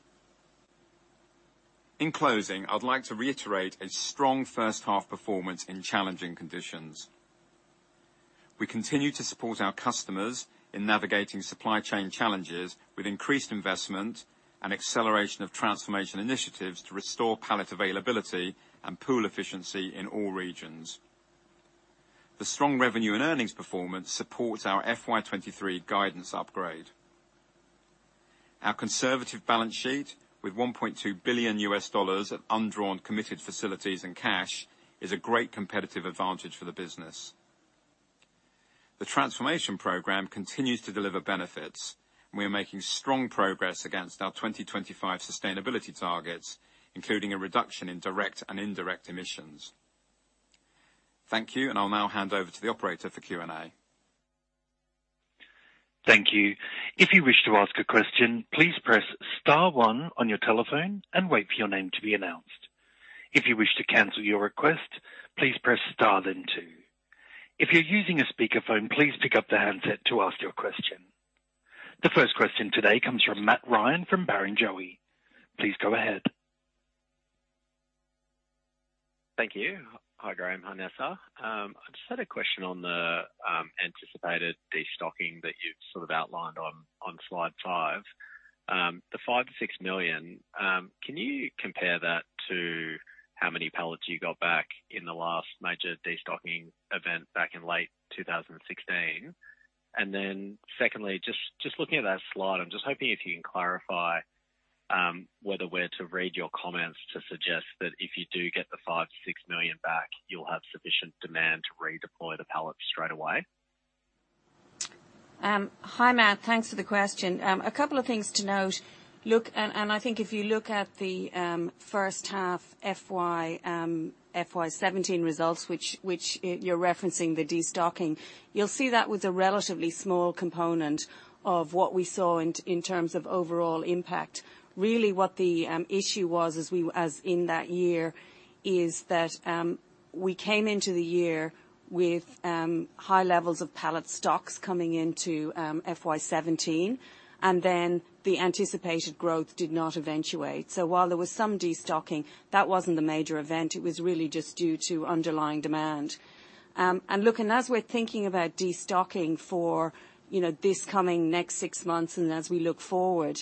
In closing, I'd like to reiterate a strong H1 performance in challenging conditions. We continue to support our customers in navigating supply chain challenges with increased investment and acceleration of transformation initiatives to restore pallet availability and pool efficiency in all regions. The strong revenue and earnings performance supports our FY23 guidance upgrade. Our conservative balance sheet with $1.2 billion of undrawn committed facilities and cash is a great competitive advantage for the business. The transformation program continues to deliver benefits, and we are making strong progress against our 2025 sustainability targets, including a reduction in direct and indirect emissions. Thank you, and I'll now hand over to the operator for Q&A. Thank you. If you wish to ask a question, please press star one on your telephone and wait for your name to be announced. If you wish to cancel your request, please press star then two. If you're using a speakerphone, please pick up the handset to ask your question. The first question today comes from Matt Ryan from Barrenjoey. Please go ahead. Thank you. Hi, Graham. Hi, Nessa. I just had a question on the anticipated destocking that you sort of outlined on slide five. The 5 million-6 million, can you compare that to how many pallets you got back in the last major destocking event back in late 2016? Secondly, just looking at that slide, I'm just hoping if you can clarify whether we're to read your comments to suggest that if you do get the 5 million-6 million back, you'll have sufficient demand to redeploy the pallets straight away. Hi, Matt. Thanks for the question. A couple of things to note. I think if you look at the H1 FY, FY17 results, which you're referencing the destocking, you'll see that was a relatively small component of what we saw in terms of overall impact. What the issue was as in that year, is that we came into the year with high levels of pallet stocks coming into FY17, the anticipated growth did not eventuate. While there was some destocking, that wasn't the major event, it was really just due to underlying demand. Look, and as we're thinking about destocking for, you know, this coming next six months and as we look forward,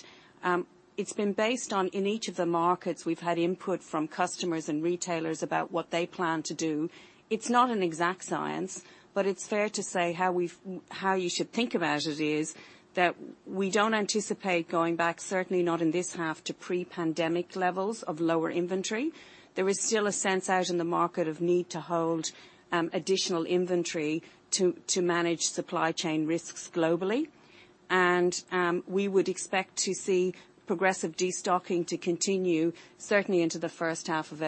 it's been based on in each of the markets we've had input from customers and retailers about what they plan to do. It's not an exact science, but it's fair to say how you should think about it is that we don't anticipate going back, certainly not in this half, to pre-pandemic levels of lower inventory. There is still a sense out in the market of need to hold additional inventory to manage supply chain risks globally. We would expect to see progressive destocking to continue, certainly into the H1 of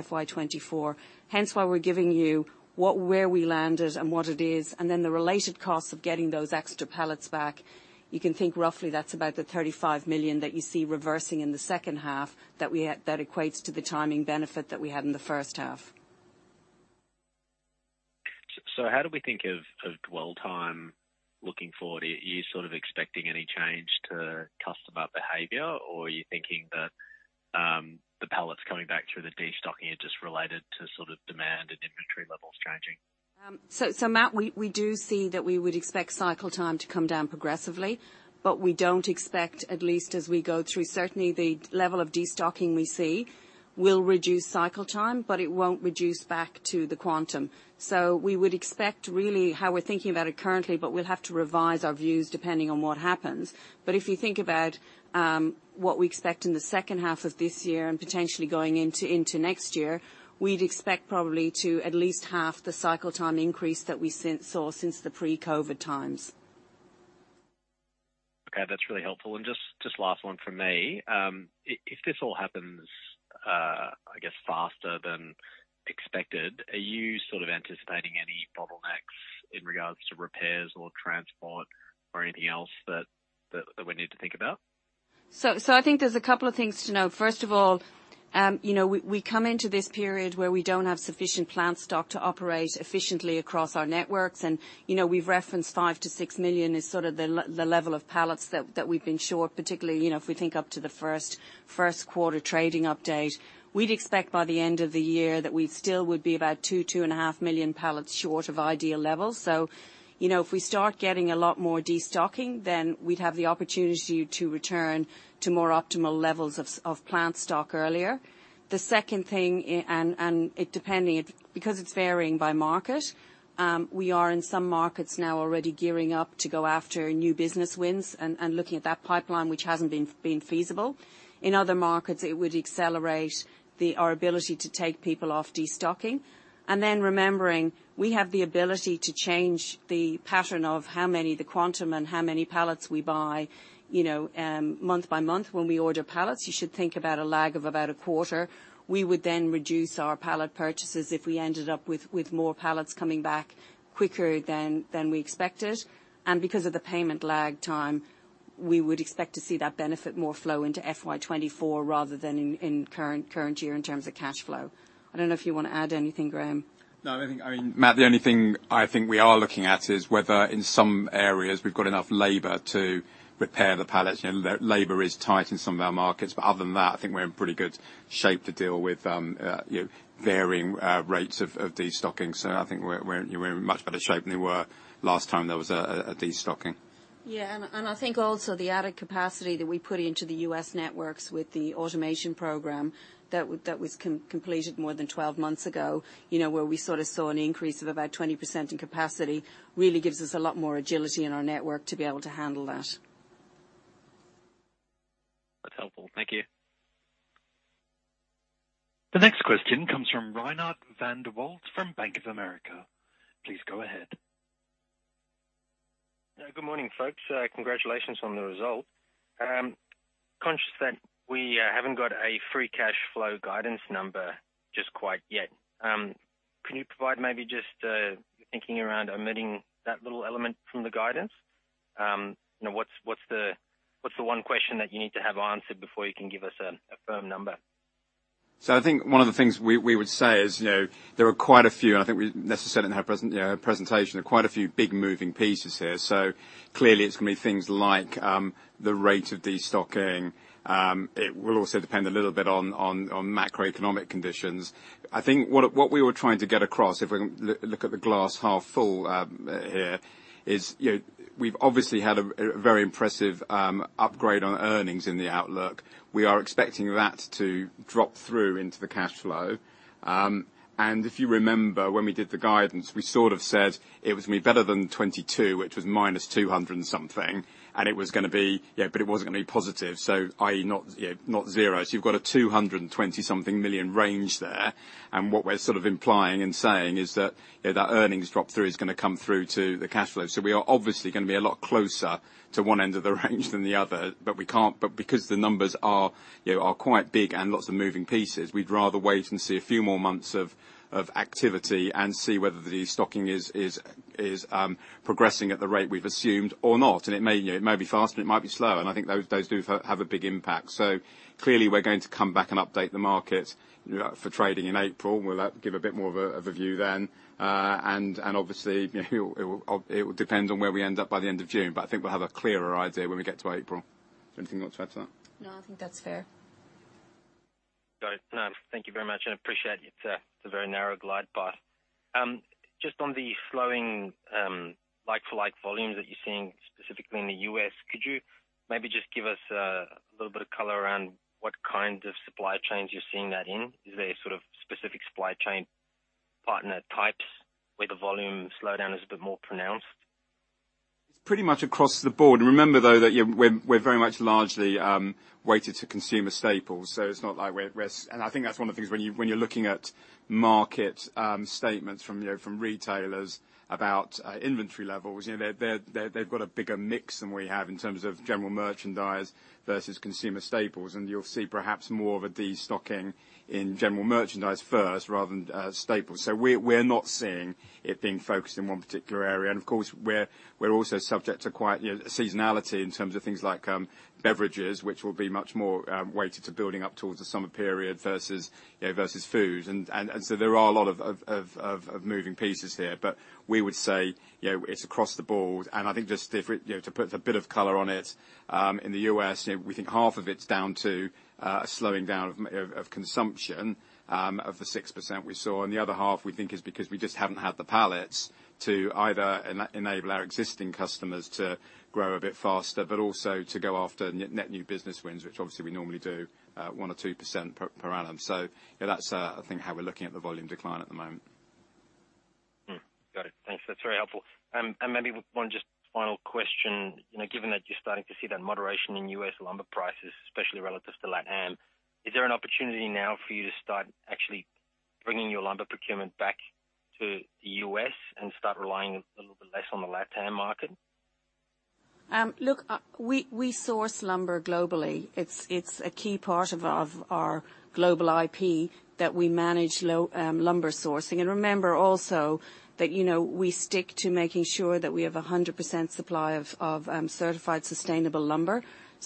FY24. Hence why we're giving you where we landed and what it is, and then the related costs of getting those extra pallets back. You can think roughly that's about the $35 million that you see reversing in the H2, that equates to the timing benefit that we had in the H1. How do we think of dwell time looking forward? Are you sort of expecting any change to customer behavior, or are you thinking that the pallets coming back through the destocking are just related to sort of demand and inventory levels changing? Matt, we do see that we would expect cycle time to come down progressively, but we don't expect, at least as we go through, certainly the level of destocking we see will reduce cycle time, but it won't reduce back to the quantum. We would expect really how we're thinking about it currently, but we'll have to revise our views depending on what happens. If you think about, what we expect in the H2 of this year and potentially going into next year, we'd expect probably to at least1/2 the cycle time increase that we since saw since the pre-COVID times. Okay, that's really helpful. Just, just last one from me. If this all happens, I guess faster than expected, are you sort of anticipating any bottlenecks in regards to repairs or transport or anything else that, that we need to think about? I think there's a couple of things to note. First of all, you know, we come into this period where we don't have sufficient plant stock to operate efficiently across our networks. You know, we've referenced 5 million-6 million is sort of the level of pallets that we've been short, particularly, you know, if we think up to the Q1 trading update. We'd expect by the end of the year that we still would be about 2 million-2.5 million pallets short of ideal levels. You know, if we start getting a lot more destocking, then we'd have the opportunity to return to more optimal levels of plant stock earlier. The second thing, because it's varying by market, we are in some markets now already gearing up to go after new business wins and looking at that pipeline, which hasn't been feasible. In other markets, it would accelerate our ability to take people off destocking. Remembering we have the ability to change the pattern of how many the quantum and how many pallets we buy, you know, month by month when we order pallets. You should think about a lag of about a quarter. We would then reduce our pallet purchases if we ended up with more pallets coming back quicker than we expected. Because of the payment lag time, we would expect to see that benefit more flow into FY24 rather than in current year in terms of cash flow. I don't know if you wanna add anything, Graham? I mean, Matt, the only thing I think we are looking at is whether in some areas we've got enough labor to repair the pallets. You know, labor is tight in some of our markets. Other than that, I think we're in pretty good shape to deal with, you know, varying rates of destocking. I think we're in much better shape than we were last time there was a destocking. Yeah. I think also the added capacity that we put into the U.S. networks with the automation program that was completed more than 12 months ago, you know, where we sort of saw an increase of about 20% in capacity, really gives us a lot more agility in our network to be able to handle that. That's helpful. Thank you. The next question comes from Reinhardt van der Walt from Bank of America. Please go ahead. Yeah. Good morning, folks. Congratulations on the result. Conscious that we haven't got a free cash flow guidance number just quite yet. Can you provide maybe just your thinking around omitting that little element from the guidance? What's the one question that you need to have answered before you can give us a firm number? I think one of the things we would say is, you know, there are quite a few. I think we necessarily didn't have presentation of quite a few big moving pieces here. Clearly it's gonna be things like the rate of destocking. It will also depend a little bit on macroeconomic conditions. I think what we were trying to get across, if we look at the glass half full, here is, you know, we've obviously had a very impressive upgrade on earnings in the outlook. We are expecting that to drop through into the cash flow. If you remember when we did the guidance, we sort of said it was gonna be better than 2022, which was -$200 and something. Yeah, it wasn't gonna be positive, i.e., not, you know, not zero. You've got a $220 something million range there. What we're sort of implying and saying is that, you know, that earnings drop through is gonna come through to the cash flow. We are obviously gonna be a lot closer to one end of the range than the other. Because the numbers are, you know, are quite big and lots of moving pieces, we'd rather wait and see a few more months of activity and see whether the destocking is progressing at the rate we've assumed or not. It may, you know, it may be faster and it might be slower, and I think those do have a big impact. Clearly we're going to come back and update the market for trading in April. We'll give a bit more of a view then. Obviously, you know, it will depend on where we end up by the end of June, but I think we'll have a clearer idea when we get to April. Is there anything you want to add to that? No, I think that's fair. Got it. Thank you very much and appreciate it. It's a very narrow glide path. Just on the flowing like-for-like volumes that you're seeing specifically in the U.S., could you maybe just give us a little bit of color around what kind of supply chains you're seeing that in? Is there sort of specific supply chain partner types where the volume slowdown is a bit more pronounced? It's pretty much across the board. Remember though, that we're very much largely weighted to consumer staples, so it's not like we're at risk. I think that's one of the things when you're looking at market statements from, you know, from retailers about inventory levels. You know, they're, they've got a bigger mix than we have in terms of general merchandise versus consumer staples. You'll see perhaps more of a destocking in general merchandise first rather than staples. We're not seeing it being focused in one particular area. Of course, we're also subject to quite, you know, seasonality in terms of things like beverages, which will be much more weighted to building up towards the summer period versus, you know, versus food. There are a lot of moving pieces here. We would say, you know, it's across the board. I think just if we, you know, to put a bit of color on it, in the U.S., you know, we think 1/2 of it's down to a slowing down of consumption of the 6% we saw. The other 1/2 we think is because we just haven't had the pallets to either enable our existing customers to grow a bit faster, but also to go after net new business wins, which obviously we normally do 1% or 2% per annum. You know, that's, I think how we're looking at the volume decline at the moment. Got it. Thanks. That's very helpful. Maybe one just final question. You know, given that you're starting to see that moderation in U.S. lumber prices, especially relative to LatAm, is there an opportunity now for you to start actually bringing your lumber procurement back to the U.S. and start relying a little bit less on the LatAm market? Look, we source lumber globally. It's a key part of our global IP that we manage lumber sourcing. Remember also that, you know, we stick to making sure that we have 100% supply of certified sustainable lumber.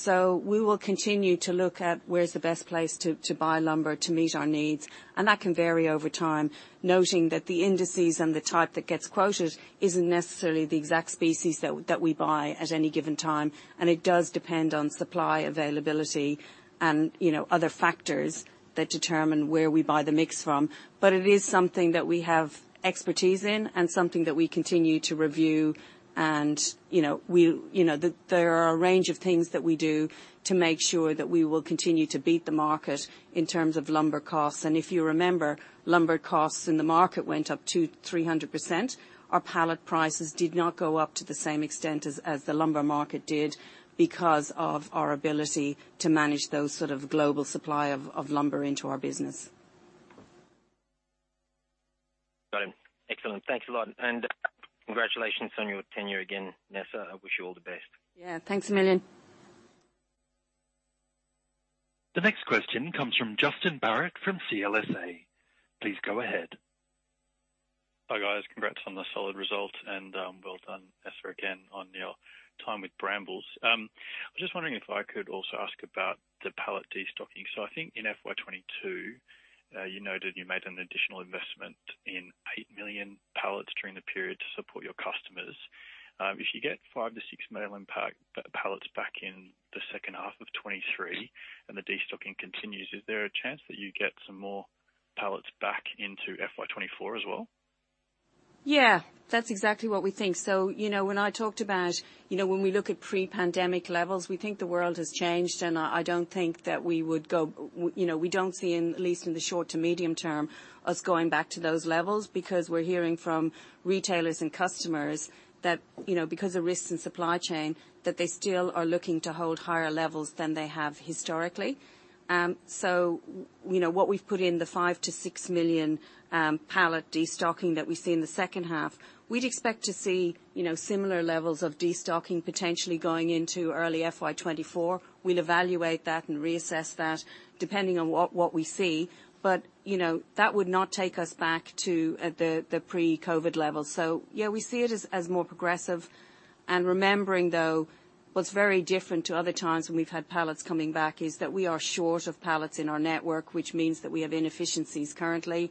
We will continue to look at where's the best place to buy lumber to meet our needs. That can vary over time. Noting that the indices and the type that gets quoted isn't necessarily the exact species that we buy at any given time. It does depend on supply availability and, you know, other factors that determine where we buy the mix from. It is something that we have expertise in and something that we continue to review. You know, we, you know, there are a range of things that we do to make sure that we will continue to beat the market in terms of lumber costs. If you remember, lumber costs in the market went up to 300%. Our pallet prices did not go up to the same extent as the lumber market did because of our ability to manage those sort of global supply of lumber into our business. Got it. Excellent. Thanks a lot, and congratulations on your tenure again, Nessa. I wish you all the best. Yeah, thanks Reinhardt. The next question comes from Justin Barratt from CLSA. Please go ahead. Hi, guys. Congrats on the solid result and well done, Nessa, again on your time with Brambles. I was just wondering if I could also ask about the pallet destocking. I think in FY22, you noted you made an additional investment in 8 million pallets during the period to support your customers. If you get 5 million-6 million pallets back in the H2 of 2023 and the destocking continues, is there a chance that you get some more pallets back into FY24 as well? That's exactly what we think. You know, when I talked about, you know, when we look at pre-pandemic levels, we think the world has changed, and I don't think that we would go. You know, we don't see at least in the short to medium term, us going back to those levels because we're hearing from retailers and customers that, you know, because of risks in supply chain, that they still are looking to hold higher levels than they have historically. You know, what we've put in the 5 million-6 million pallet destocking that we see in the H2, we'd expect to see, you know, similar levels of destocking potentially going into early FY24. We'll evaluate that and reassess that depending on what we see. You know, that would not take us back to the pre-COVID levels. Yeah, we see it as more progressive. Remembering though, what's very different to other times when we've had pallets coming back, is that we are short of pallets in our network, which means that we have inefficiencies currently.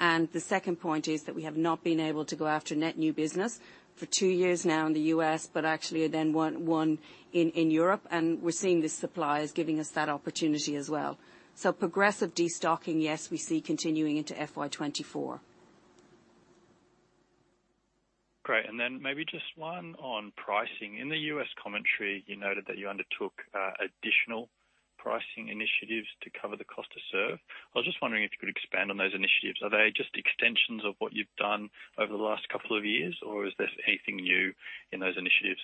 The second point is that we have not been able to go after net new business for two years now in the U.S., but actually then one in Europe, and we're seeing this supply as giving us that 0pportunity as well. Progressive destocking, yes, we see continuing into FY24. Great. Maybe just one on pricing. In the U.S. commentary, you noted that you undertook additional pricing initiatives to cover the cost to serve. I was just wondering if you could expand on those initiatives. Are they just extensions of what you've done over the last couple of years, or is there anything new in those initiatives?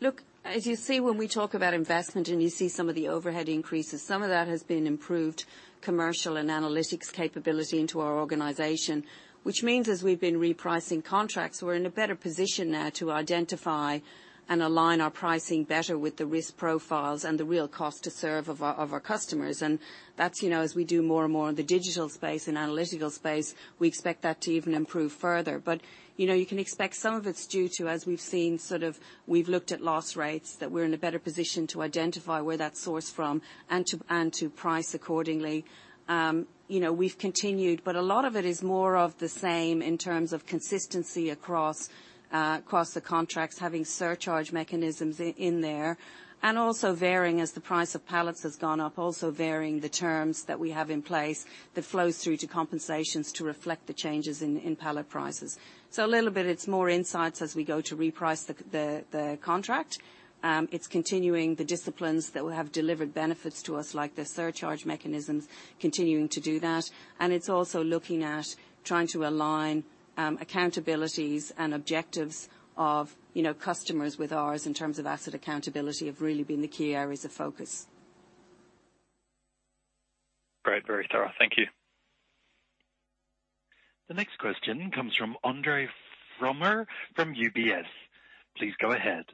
Look, as you see, when we talk about investment and you see some of the overhead increases, some of that has been improved commercial and analytics capability into our organization. Which means as we've been repricing contracts, we're in a better position now to identify and align our pricing better with the risk profiles and the real cost to serve of our customers. That's, you know, as we do more and more in the digital space and analytical space, we expect that to even improve further. You know, you can expect some of it's due to, as we've seen, we've looked at loss rates, that we're in a better position to identify where that's sourced from and to price accordingly. You know, we've continued. A lot of it is more of the same in terms of consistency across the contracts, having surcharge mechanisms in there, and also varying as the price of pallets has gone up, also varying the terms that we have in place that flows through to compensations to reflect the changes in pallet prices. A little bit, it's more insights as we go to reprice the contract. It's continuing the disciplines that will have delivered benefits to us, like the surcharge mechanisms continuing to do that. It's also looking at trying to align accountabilities and objectives of, you know, customers with ours in terms of asset accountability have really been the key areas of focus. Great. Very thorough. Thank you. The next question comes from Andre Fromyhr from UBS. Please go ahead.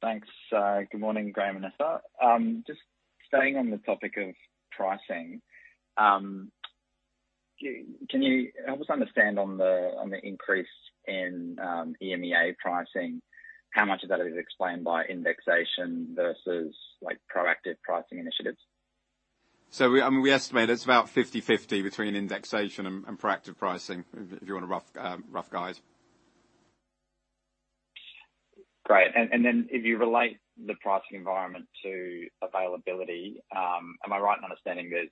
Thanks. Good morning, Graham and Nessa. Just staying on the topic of pricing. Can you help us understand on the increase in EMEA pricing, how much of that is explained by indexation versus, like, proactive pricing initiatives? We, I mean, we estimate it's about 50/50 between indexation and proactive pricing, if you want a rough guide. Great. If you relate the pricing environment to availability, am I right in understanding there's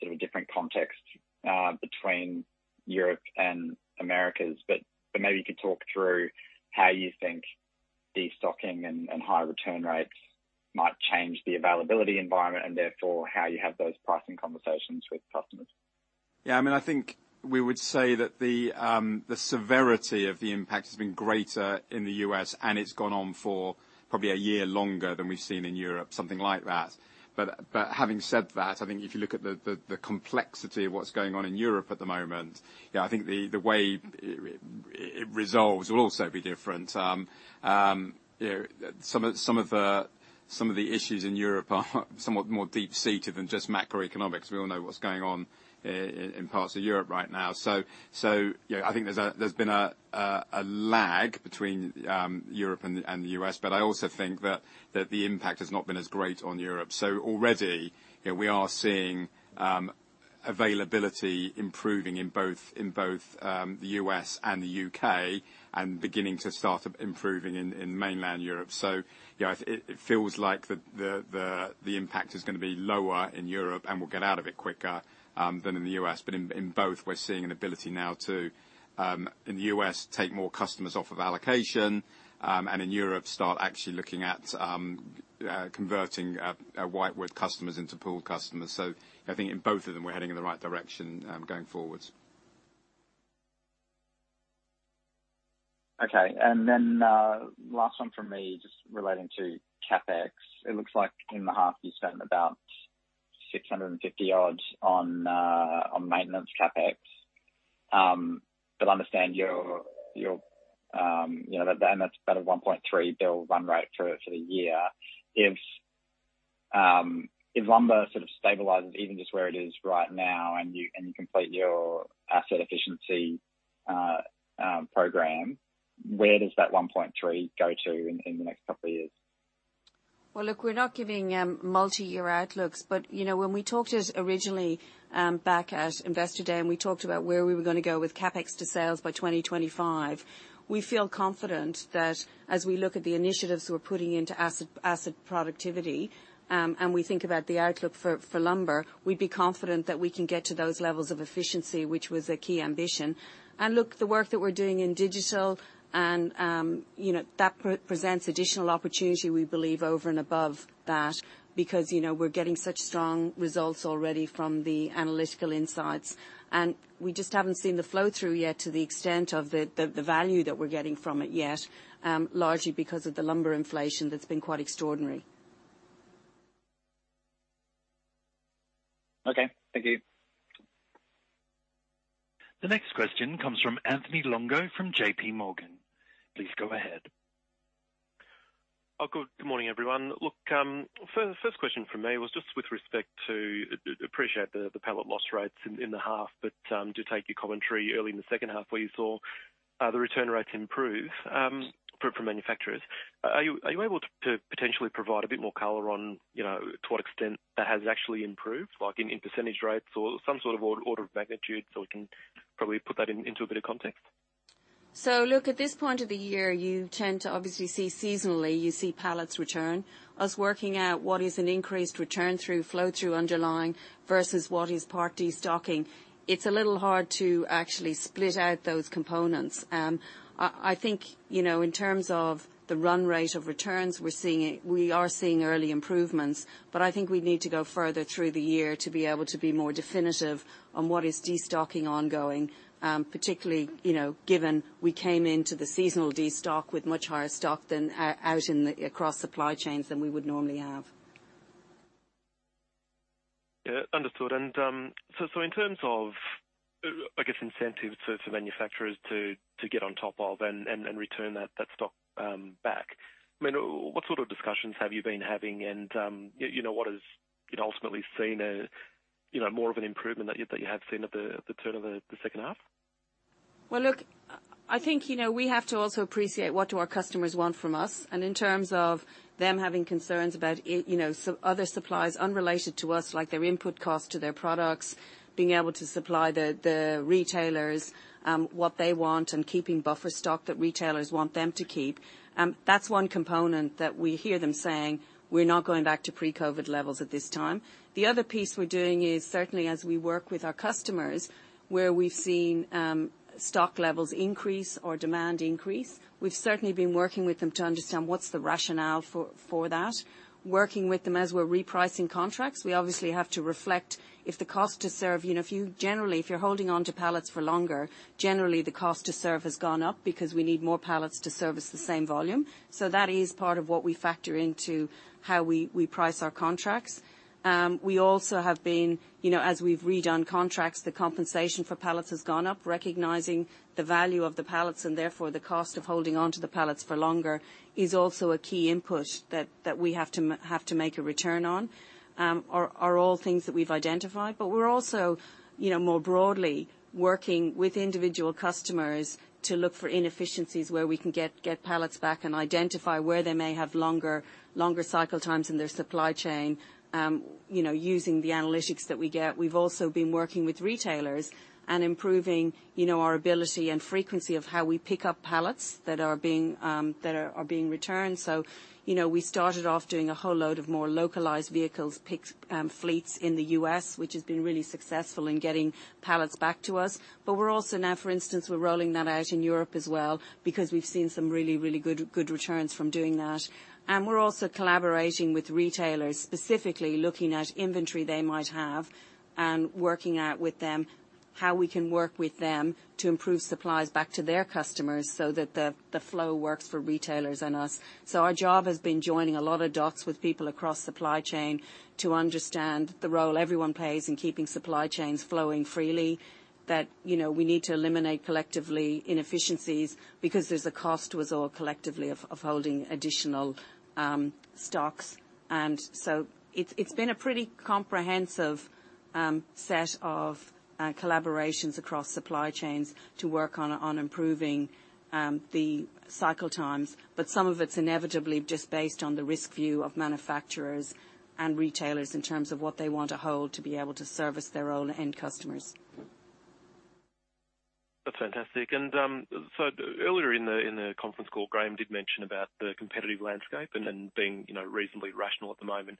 sort of a different context between Europe and Americas? You could talk through how you think destocking and high return rates might change the availability environment, and therefore how you have those pricing conversations with customers. Yeah, I mean, I think we would say that the severity of the impact has been greater in the U.S., and it's gone on for probably a year longer than we've seen in Europe, something like that. Having said that, I think if you look at the complexity of what's going on in Europe at the moment, yeah, I think the way it resolves will also be different. You know, some of the issues in Europe are somewhat more deep-seated than just macroeconomics. We all know what's going on in parts of Europe right now. You know, I think there's been a lag between Europe and the U.S. I also think that the impact has not been as great on Europe. Already, you know, we are seeing availability improving in both the U.S. and the U.K., and beginning to start improving in mainland Europe. You know, it feels like the impact is gonna be lower in Europe, and we'll get out of it quicker than in the U.S. In both, we're seeing an ability now to in the U.S., take more customers off of allocation. And in Europe, start actually looking at converting whitewood customers into pool customers. I think in both of them, we're heading in the right direction going forward. Okay. Last one from me, just relating to CapEx. It looks like in the half you spent about $650 odds on maintenance CapEx. But understand your, you know, that's about a $1.3 billion run rate for the year. If lumber sort of stabilizes even just where it is right now and you, and you complete your asset efficiency program, where does that $1.3 billion go to in the next couple of years? Look, we're not giving multi-year outlooks, but, you know, when we talked originally, back at Investor Day, and we talked about where we were gonna go with CapEx to sales by 2025, we feel confident that as we look at the initiatives we're putting into asset productivity, and we think about the outlook for lumber, we'd be confident that we can get to those levels of efficiency, which was a key ambition. Look, the work that we're doing in digital and, you know, that pre-presents additional opportunity we believe over and above that, because, you know, we're getting such strong results already from the analytical insights. We just haven't seen the flow through yet to the extent of the value that we're getting from it yet, largely because of the lumber inflation that's been quite extraordinary. Okay. Thank you. The next question comes from Anthony Longo from JP Morgan. Please go ahead. Good morning, everyone. First question from me was just with respect to appreciate the pallet loss rates in the half, but to take your commentary early in the H2 where you saw the return rates improve for manufacturers. Are you able to potentially provide a bit more color on, you know, to what extent that has actually improved, like in percentage rates or some sort of order of magnitude, so we can probably put that into a bit of context? Look, at this point of the year, you tend to obviously see seasonally, you see pallets return. Us working out what is an increased return through, flow through underlying versus what is part destocking. It's a little hard to actually split out those components. I think, you know, in terms of the run rate of returns, we're seeing it. We are seeing early improvements, but I think we need to go further through the year to be able to be more definitive on what is destocking ongoing, particularly, you know, given we came into the seasonal destock with much higher stock than out in the across supply chains than we would normally have. Yeah. Understood. In terms of, I guess, incentive to manufacturers to get on top of and return that stock back, I mean, what sort of discussions have you been having? You know, what is ultimately seen a, you know, more of an improvement that you have seen at the turn of the H2? Look, I think, you know, we have to also appreciate what do our customers want from us, and in terms of them having concerns about, you know, so other suppliers unrelated to us, like their input cost to their products, being able to supply the retailers, what they want and keeping buffer stock that retailers want them to keep. That's one component that we hear them saying, we're not going back to pre-COVID levels at this time. The other piece we're doing is certainly as we work with our customers, where we've seen, stock levels increase or demand increase. We've certainly been working with them to understand what's the rationale for that. Working with them as we're repricing contracts, we obviously have to reflect if the cost to serve, you know, if you generally, if you're holding onto pallets for longer, generally the cost to serve has gone up because we need more pallets to service the same volume. That is part of what we factor into how we price our contracts. We also have been, you know, as we've redone contracts, the compensation for pallets has gone up. Recognizing the value of the pallets and therefore the cost of holding onto the pallets for longer is also a key input that we have to make a return on, are all things that we've identified. We're also, you know, more broadly working with individual customers to look for inefficiencies where we can get pallets back and identify where they may have longer cycle times in their supply chain, you know, using the analytics that we get. We've also been working with retailers and improving, you know, our ability and frequency of how we pick up pallets that are being, that are being returned. We started off doing a whole load of more localized vehicles, picked, fleets in the U.S., which has been really successful in getting pallets back to us. We're also now for instance, we're rolling that out in Europe as well because we've seen some really good returns from doing that. We're also collaborating with retailers, specifically looking at inventory they might have and working out with them how we can work with them to improve supplies back to their customers so that the flow works for retailers and us. Our job has been joining a lot of dots with people across supply chain to understand the role everyone plays in keeping supply chains flowing freely. You know, we need to eliminate collectively inefficiencies because there's a cost to us all collectively of holding additional stocks. It's been a pretty comprehensive set of collaborations across supply chains to work on improving the cycle times. Some of it's inevitably just based on the risk view of manufacturers and retailers in terms of what they want to hold to be able to service their own end customers. That's fantastic. Earlier in the conference call, Graham did mention about the competitive landscape and being, you know, reasonably rational at the moment.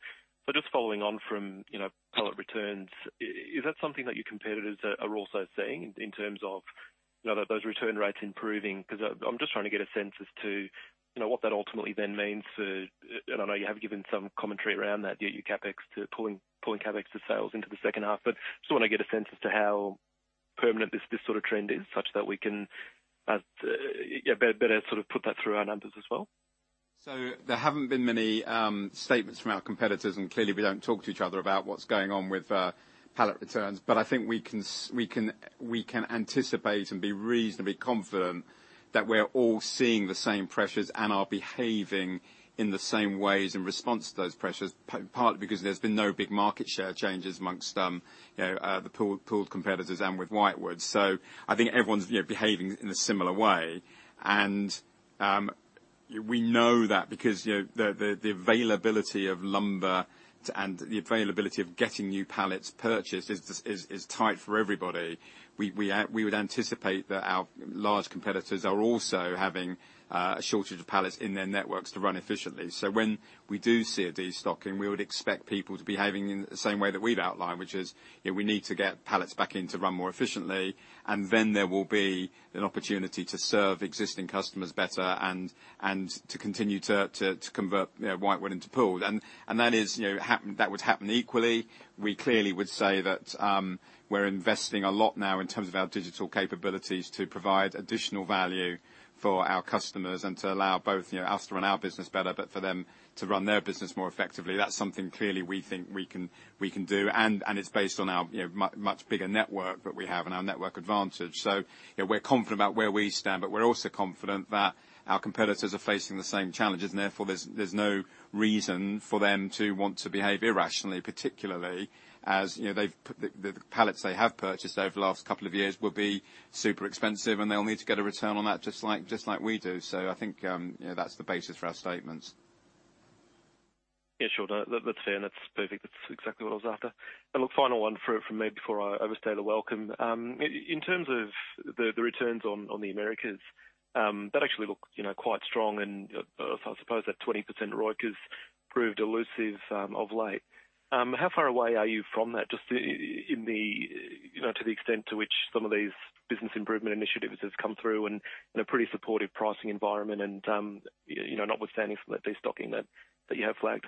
Just following on from, you know, pallet returns, is that something that your competitors are also seeing in terms of, you know, those return rates improving? Cause I'm just trying to get a sense as to, you know, what that ultimately then means for, and I know you have given some commentary around that, your CapEx to pooling CapEx to sales into the H2. Just wanna get a sense as to how permanent this sort of trend is, such that we can, yeah, better sort of put that through our numbers as well. There haven't been many statements from our competitors, and clearly we don't talk to each other about what's going on with pallet returns. I think we can anticipate and be reasonably confident that we're all seeing the same pressures and are behaving in the same ways in response to those pressures, partly because there's been no big market share changes amongst, you know, the pooled competitors and with whitewood. I think everyone's, you know, behaving in a similar way. We know that because, you know, the availability of lumber and the availability of getting new pallets purchased is tight for everybody. We would anticipate that our large competitors are also having a shortage of pallets in their networks to run efficiently. When we do see a destocking, we would expect people to be behaving in the same way that we've outlined, which is, you know, we need to get pallets back in to run more efficiently, and then there will be an opportunity to serve existing customers better and to continue to convert, you know, Whitewood into pooled. That is, you know, happen, that would happen equally. We clearly would say that, we're investing a lot now in terms of our digital capabilities to provide additional value for our customers and to allow both, you know, us to run our business better, but for them to run their business more effectively. That's something clearly we think we can, we can do. It's based on our, you know, much bigger network that we have and our network advantage. You know, we're confident about where we stand, but we're also confident that our competitors are facing the same challenges, and therefore, there's no reason for them to want to behave irrationally, particularly as, you know, they've the pallets they have purchased over the last couple of years will be super expensive and they'll need to get a return on that just like we do. I think, you know, that's the basis for our statements. Yeah, sure. No, that's fair, and that's perfect. That's exactly what I was after. Look, final one for, from me before I overstay the welcome. In terms of the returns on the Americas, that actually looked, you know, quite strong and I suppose that 20% ROIC has proved elusive of late. How far away are you from that, just in the, you know, to the extent to which some of these business improvement initiatives have come through in a pretty supportive pricing environment and, you know, notwithstanding some of that destocking that you have flagged?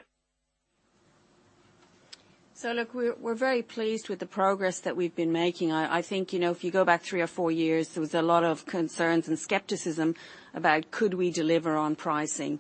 Look, we're very pleased with the progress that we've been making. I think, you know, if you go back three years or four years, there was a lot of concerns and skepticism about could we deliver on pricing.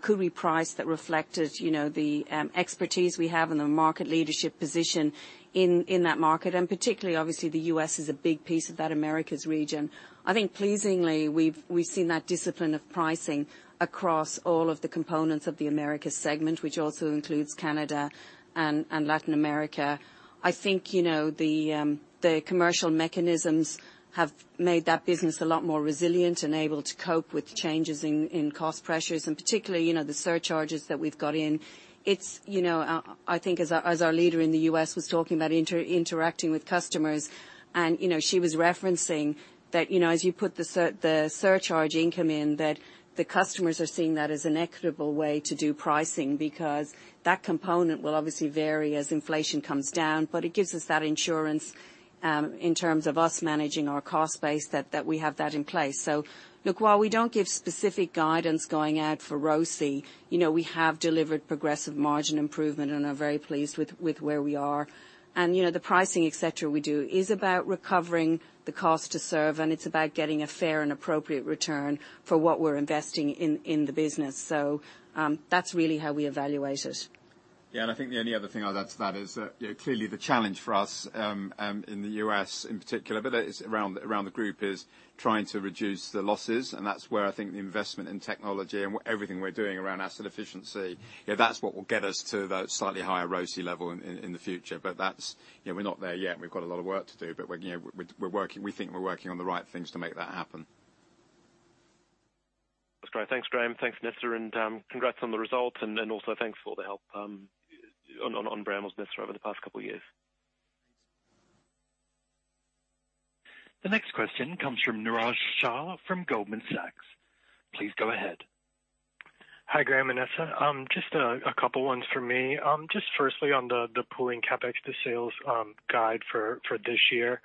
Could we price that reflected, you know, the expertise we have and the market leadership position in that market, and particularly obviously the U.S. is a big piece of that Americas region. I think pleasingly, we've seen that discipline of pricing across all of the components of the Americas segment, which also includes Canada and Latin America. I think, you know, the commercial mechanisms have made that business a lot more resilient and able to cope with changes in cost pressures, and particularly, you know, the surcharges that we've got in. It's, you know, I think as our, as our leader in the U.S. was talking about interacting with customers, and, you know, she was referencing that, you know, as you put the surcharge income in, that the customers are seeing that as an equitable way to do pricing because that component will obviously vary as inflation comes down, but it gives us that insurance in terms of us managing our cost base that we have that in place. While we don't give specific guidance going out for ROCE, you know, we have delivered progressive margin improvement and are very pleased with where we are. You know, the pricing et cetera we do is about recovering the cost to serve, and it's about getting a fair and appropriate return for what we're investing in the business. That's really how we evaluate it. I think the only other thing I'll add to that is that, you know, clearly the challenge for us in the U.S. in particular, that is around the group, is trying to reduce the losses, and that's where I think the investment in technology and everything we're doing around asset efficiency, you know, that's what will get us to that slightly higher ROCE level in the future. That's, you know, we're not there yet. We've got a lot of work to do. We're, you know, we're working. We think we're working on the right things to make that happen. That's great. Thanks, Graham. Thanks, Nessa. Congrats on the results, and also thanks for all the help on Graham with Nessa over the past couple years. The next question comes from Niraj Shah from Goldman Sachs. Please go ahead. Hi, Graham and Nessa. Just a couple ones from me. Just firstly on the pooling CapEx to sales guide for this year.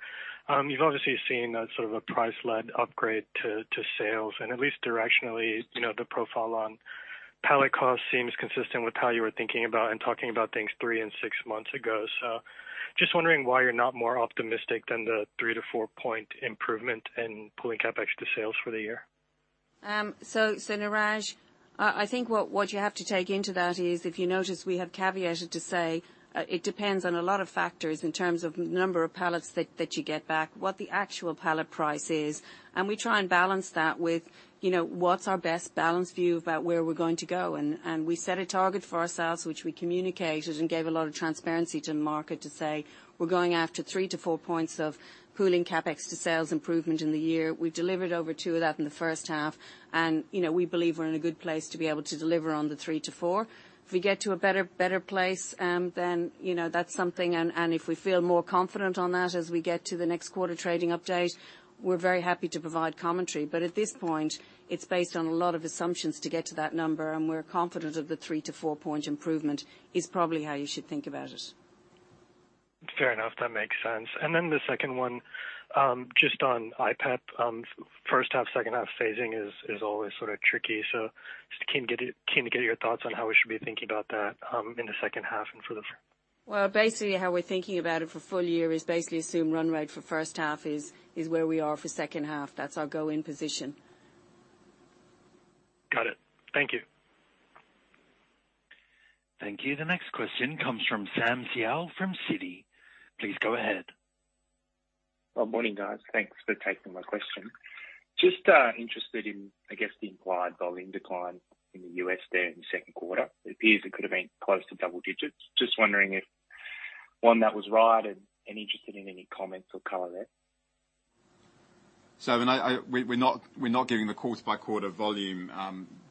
You've obviously seen a sort of a price-led upgrade to sales, and at least directionally, the profile on pallet cost seems consistent with how you were thinking about and talking about things three months and six months ago. Just wondering why you're not more optimistic than the three point to four point improvement in pooling CapEx to sales for the year. Niraj, I think what you have to take into that is, if you notice, we have caveated to say, it depends on a lot of factors in terms of number of pallets that you get back, what the actual pallet price is, and we try and balance that with, you know, what's our best balanced view about where we're going to go. We set a target for ourselves, which we communicated and gave a lot of transparency to the market to say, we're going after three points to four points of pooling CapEx to sales improvement in the year. We've delivered over two of that in the H1, and, you know, we believe we're in a good place to be able to deliver on the three to four. If we get to a better place, then, you know, that's something and if we feel more confident on that as we get to the next quarter trading update, we're very happy to provide commentary. At this point, it's based on a lot of assumptions to get to that number, and we're confident of the three point to four point improvement is probably how you should think about it. Fair enough. That makes sense. The second one, just on IPEP, H1, H2 phasing is always sort of tricky. Just keen get it, keen to get your thoughts on how we should be thinking about that, in the H2 and for the. Basically how we're thinking about it for full year is basically assume run rate for H1 is where we are for H2. That's our go-in position. Got it. Thank you. Thank you. The next question comes from Sam Seow from Citi. Please go ahead. Good morning, guys. Thanks for taking my question. Just interested in, I guess the implied volume decline in the U.S. there in the Q2. It appears it could have been close to double digits. Just wondering if, one, that was right, and interested in any comments or color there. We're not giving the quarter by quarter volume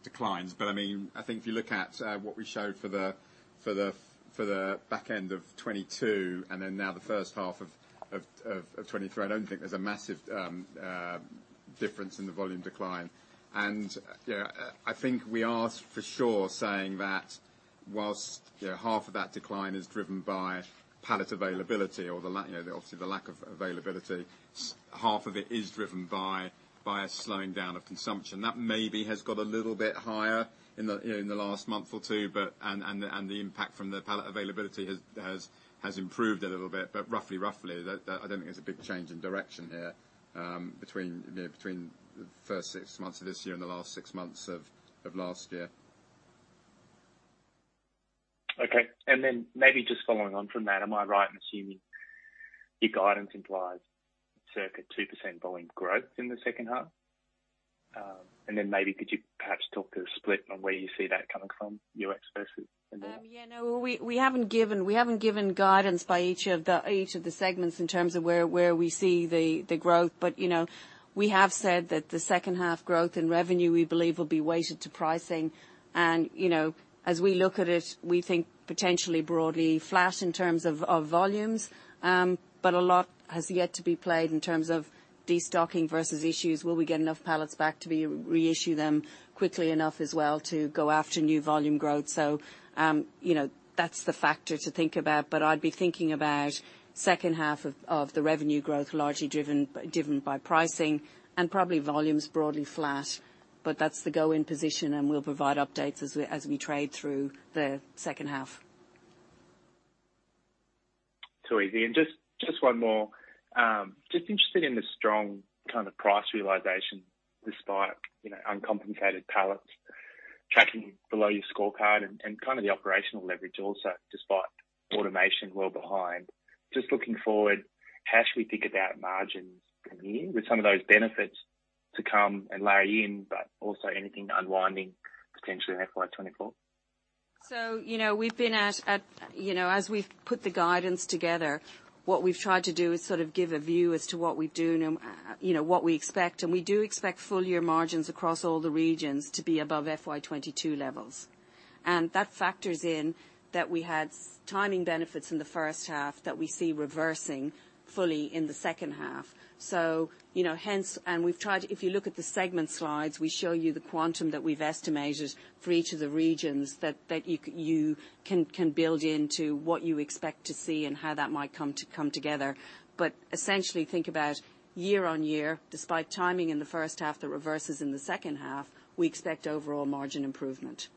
declines, but I mean, I think if you look at what we showed for the back end of 2022 and then now the H1 of 2023, I don't think there's a massive difference in the volume decline. You know, I think we are for sure saying that whilst, you know, 1/2 of that decline is driven by pallet availability or the lack of availability, 1/2 of it is driven by a slowing down of consumption. That maybe has got a little bit higher in the, you know, in the last month or two months, and the impact from the pallet availability has improved a little bit, but roughly, the, I don't think there's a big change in direction here, between, you know, between the first six months of this year and the last six months of last year. Okay. Maybe just following on from that, am I right in assuming your guidance implies circa 2% volume growth in the H2? Maybe could you perhaps talk to the split on where you see that coming from, U.S. versus India? Yeah, no, we haven't given guidance by each of the segments in terms of where we see the growth. You know, we have said that the H2 growth in revenue we believe will be weighted to pricing. You know, as we look at it, we think potentially broadly flat in terms of volumes. A lot has yet to be played in terms of destocking versus issues. Will we get enough pallets back to reissue them quickly enough as well to go after new volume growth? You know, that's the factor to think about. I'd be thinking about H2 of the revenue growth largely driven by pricing and probably volumes broadly flat. That's the go-in position, and we'll provide updates as we trade through the H2. Too easy. Just one more. Just interested in the strong kind of price realization despite, you know, uncompensated pallets tracking below your scorecard and kind of the operational leverage also despite automation well behind. Just looking forward, how should we think about margins from here with some of those benefits to come and layer in, but also anything unwinding potentially in FY24? You know, we've been at, you know, as we've put the guidance together, what we've tried to do is sort of give a view as to what we do know, you know, what we expect. We do expect full year margins across all the regions to be above FY22 levels. That factors in that we had timing benefits in the H1 that we see reversing fully in the H2. If you look at the segment slides, we show you the quantum that we've estimated for each of the regions that you can build into what you expect to see and how that might come together. Essentially think about year-over-year, despite timing in the H1 that reverses in the H2, we expect overall margin improvement.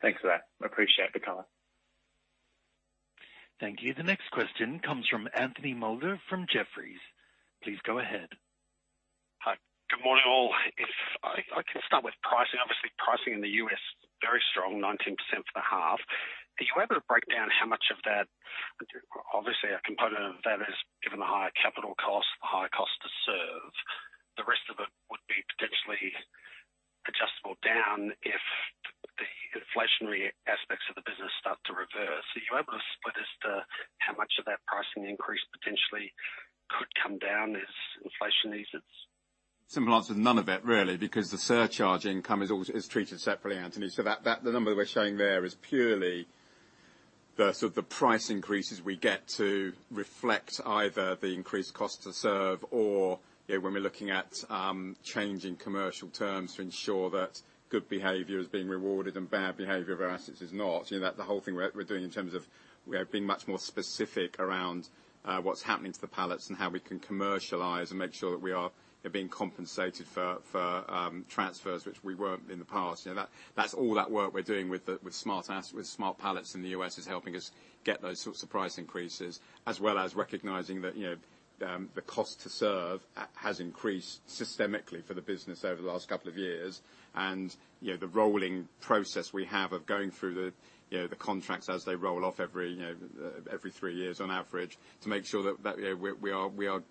Thanks for that. Appreciate the color. Thank you. The next question comes from Anthony Moulder from Jefferies. Please go ahead. Hi. Good morning, all. If I can start with pricing. Obviously, pricing in the U.S., very strong, 19% for the half. Are you able to break down how much of that? Obviously, a component of that is given the higher capital costs, the higher cost to serve. The rest of it would be potentially adjustable down if the inflationary aspects of the business start to reverse. Are you able to split as to how much of that pricing increase potentially could come down as inflation eases? Simple answer, none of it, really, because the surcharge income is always treated separately, Anthony. That, the number we're showing there is purely the, sort of the price increases we get to reflect either the increased cost to serve or, you know, when we're looking at changing commercial terms to ensure that good behavior is being rewarded and bad behavior of our assets is not. You know, the whole thing we're doing in terms of we are being much more specific around what's happening to the pallets and how we can commercialize and make sure that we are, you know, being compensated for transfers which we weren't in the past. You know, that's all that work we're doing with smart pallets in the U.S. is helping us get those sorts of price increases, as well as recognizing that, you know, the cost to serve has increased systemically for the business over the last couple of years. The rolling process we have of going through the, you know, the contracts as they roll off every, you know, every three years on average, to make sure that, you know, we are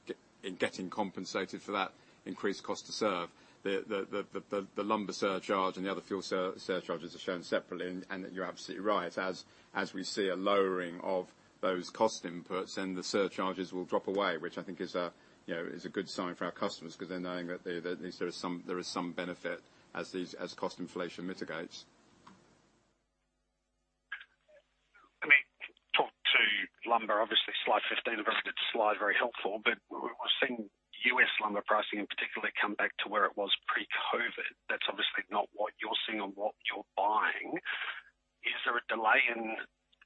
getting compensated for that increased cost to serve. The lumber surcharge and the other fuel surcharges are shown separately, and you're absolutely right. As we see a lowering of those cost inputs, then the surcharges will drop away, which I think, you know, is a good sign for our customers because they're knowing that there is some benefit as cost inflation mitigates. Let me talk to lumber. Obviously, slide 15, the benefit slide, very helpful, but we're seeing U.S. lumber pricing in particular come back to where it was pre-COVID. That's obviously not what you're seeing on what you're buying. Is there a delay in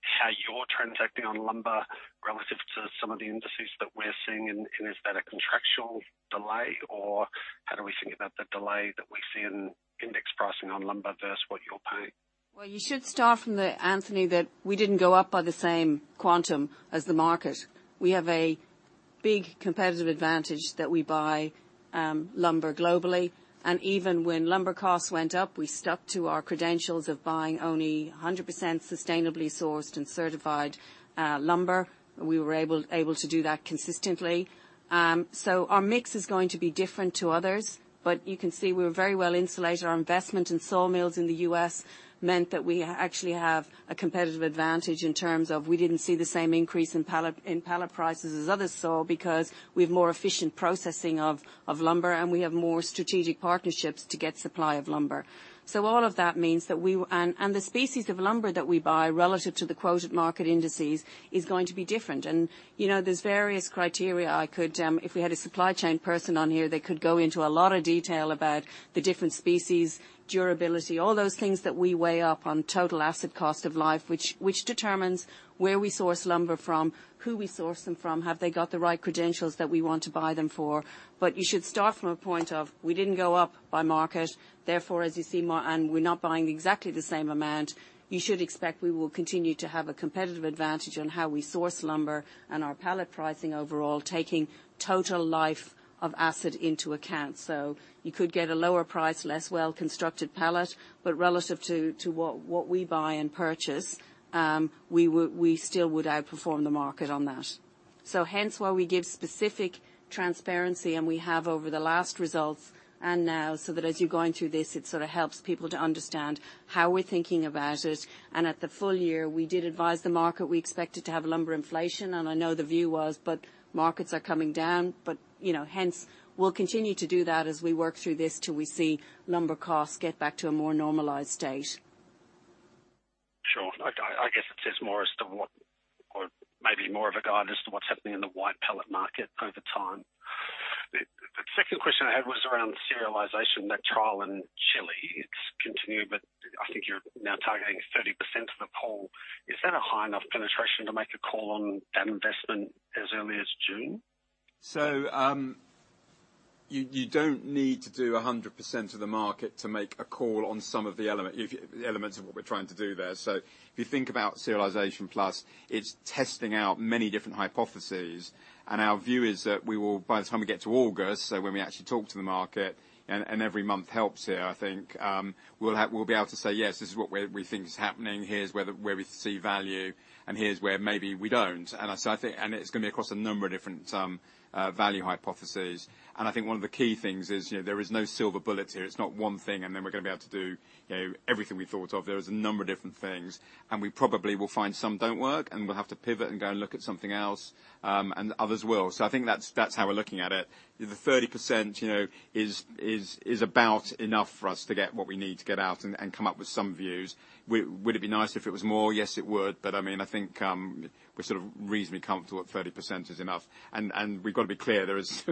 how you're transacting on lumber relative to some of the indices that we're seeing, and is that a contractual delay, or how do we think about the delay that we see in index pricing on lumber versus what you're paying? You should start from the, Anthony, that we didn't go up by the same quantum as the market. We have a big competitive advantage that we buy lumber globally, and even when lumber costs went up, we stuck to our credentials of buying only 100% sustainably sourced and certified lumber. We were able to do that consistently. Our mix is going to be different to others, but you can see we're very well insulated. Our investment in sawmills in the U.S. meant that we actually have a competitive advantage in terms of we didn't see the same increase in pallet prices as others saw because we have more efficient processing of lumber, and we have more strategic partnerships to get supply of lumber. All of that means that we... The species of lumber that we buy relative to the quoted market indices is going to be different. You know, there's various criteria I could, if we had a supply chain person on here, they could go into a lot of detail about the different species, durability, all those things that we weigh up on total asset cost of life, which determines where we source lumber from, who we source them from, have they got the right credentials that we want to buy them for. You should start from a point of we didn't go up by market, therefore, as you see and we're not buying exactly the same amount, you should expect we will continue to have a competitive advantage on how we source lumber and our pallet pricing overall, taking total life of asset into account. You could get a lower price, less well-constructed pallet, but relative to what we buy and purchase, we still would outperform the market on that. Hence why we give specific transparency and we have over the last results and now, so that as you're going through this, it sort of helps people to understand how we're thinking about it. At the full year, we did advise the market we expected to have lumber inflation, and I know the view was, but markets are coming down. You know, hence, we'll continue to do that as we work through this till we see lumber costs get back to a more normalized state. Sure. I guess it's just more as to what or maybe more of a guide as to what's happening in the wide pallet market over time. The second question I had was around serialization, that trial in Chile. It's continuing, but I think you're now targeting 30% of the pool. Is that a high enough penetration to make a call on that investment as early as June? You don't need to do 100% of the market to make a call on some of the elements of what we're trying to do there. If you think about Serialisation Plus, it's testing out many different hypotheses. Our view is that we will, by the time we get to August, when we actually talk to the market, every month helps here, I think, we'll be able to say, "Yes, this is what we're, we think is happening. Here's where we see value, and here's where maybe we don't." I think, it's gonna be across a number of different value hypotheses. I think one of the key things is, you know, there is no silver bullet here. It's not one thing, and then we're gonna be able to do, you know, everything we thought of. There is a number of different things, and we probably will find some don't work, and we'll have to pivot and go and look at something else, and others will. I think that's how we're looking at it. The 30%, you know, is about enough for us to get what we need to get out and come up with some views. Would it be nice if it was more? Yes, it would. I mean, I think, we're sort of reasonably comfortable that 30% is enough. We've got to be clear, there is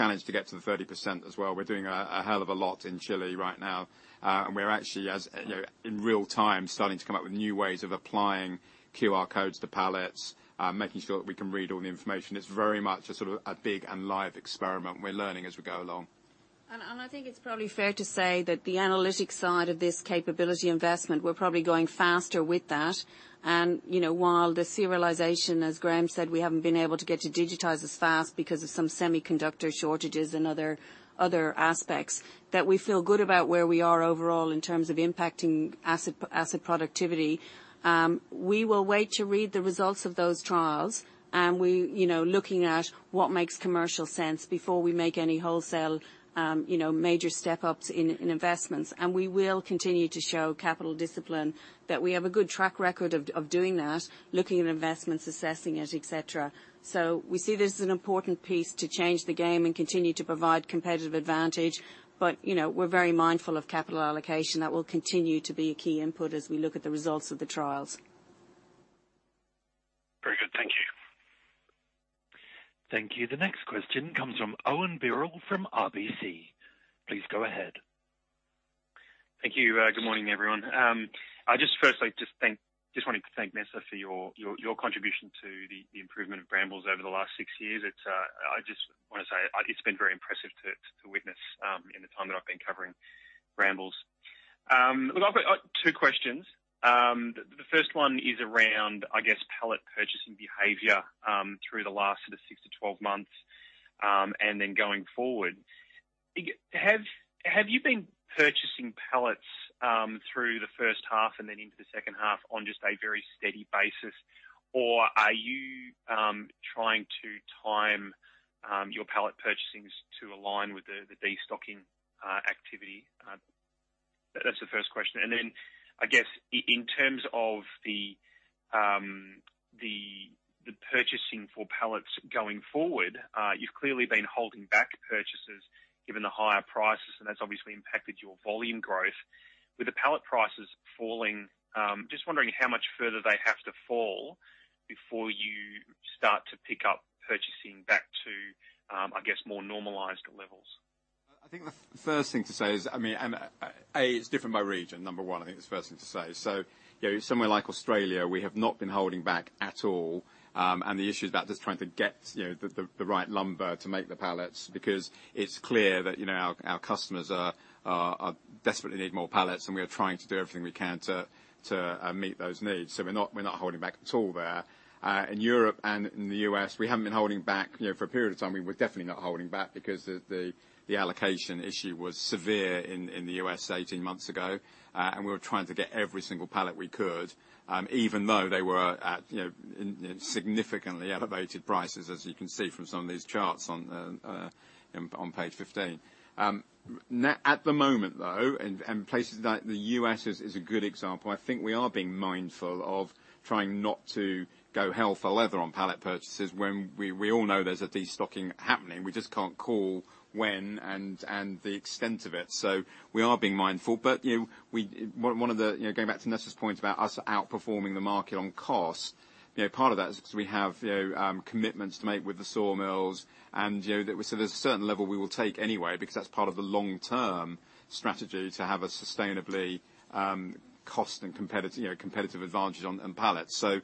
it's quite a challenge to get to the 30% as well. We're doing a hell of a lot in Chile right now, and we're actually as, you know, in real time starting to come up with new ways of applying QR codes to pallets, making sure that we can read all the information. It's very much a sort of, a big and live experiment, and we're learning as we go along. I think it's probably fair to say that the analytic side of this capability investment, we're probably going faster with that. You know, while the serialization, as Graham said, we haven't been able to get to digitize as fast because of some semiconductor shortages and other aspects, that we feel good about where we are overall in terms of impacting asset productivity. We will wait to read the results of those trials, and we, you know, looking at what makes commercial sense before we make any wholesale, you know, major step-ups in investments. We will continue to show capital discipline, that we have a good track record of doing that, looking at investments, assessing it, et cetera. We see this as an important piece to change the game and continue to provide competitive advantage. You know, we're very mindful of capital allocation. That will continue to be a key input as we look at the results of the trials. Very good. Thank you. Thank you. The next question comes from Owen Birrell from RBC. Please go ahead. Thank you. Good morning, everyone. I just firstly wanted to thank Nessa for your contribution to the improvement of Brambles over the last six years. It's, I just want to say it's been very impressive to witness in the time that I've been covering Brambles. Look, I've two questions. The first one is around, I guess, pallet purchasing behavior through the last sort of six months-12 months, and then going forward. Have you been purchasing pallets through the H1 and then into the H2 on just a very steady basis, or are you trying to time your pallet purchasings to align with the destocking activity? That's the first question. I guess in terms of the purchasing for pallets going forward, you've clearly been holding back purchases given the higher prices, and that's obviously impacted your volume growth. With the pallet prices falling, just wondering how much further they have to fall before you start to pick up purchasing back to, I guess, more normalized levels? I think the first thing to say is, I mean, A, it's different by region, number one, I think is the first thing to say. You know, somewhere like Australia, we have not been holding back at all, and the issue is about just trying to get, you know, the right lumber to make the pallets because it's clear that, you know, our customers are desperately need more pallets and we are trying to do everything we can to meet those needs. We're not holding back at all there. In Europe and in the U.S., we haven't been holding back. You know, for a period of time, we were definitely not holding back because the allocation issue was severe in the U.S. 18 months ago, and we were trying to get every single pallet we could, even though they were at, you know, in significantly elevated prices, as you can see from some of these charts on page 15. At the moment though, and places like the U.S. is a good example, I think we are being mindful of trying not to go hell for leather on pallet purchases when we all know there's a destocking happening. We just can't call when and the extent of it. We are being mindful. You know, we. One of the, you know, going back to Nessa's point about us outperforming the market on cost, you know, part of that is because we have, you know, commitments to make with the sawmills and, you know, there. There's a certain level we will take anyway because that's part of the long-term strategy to have a sustainably cost and competitive, you know, competitive advantage on, in pallets. You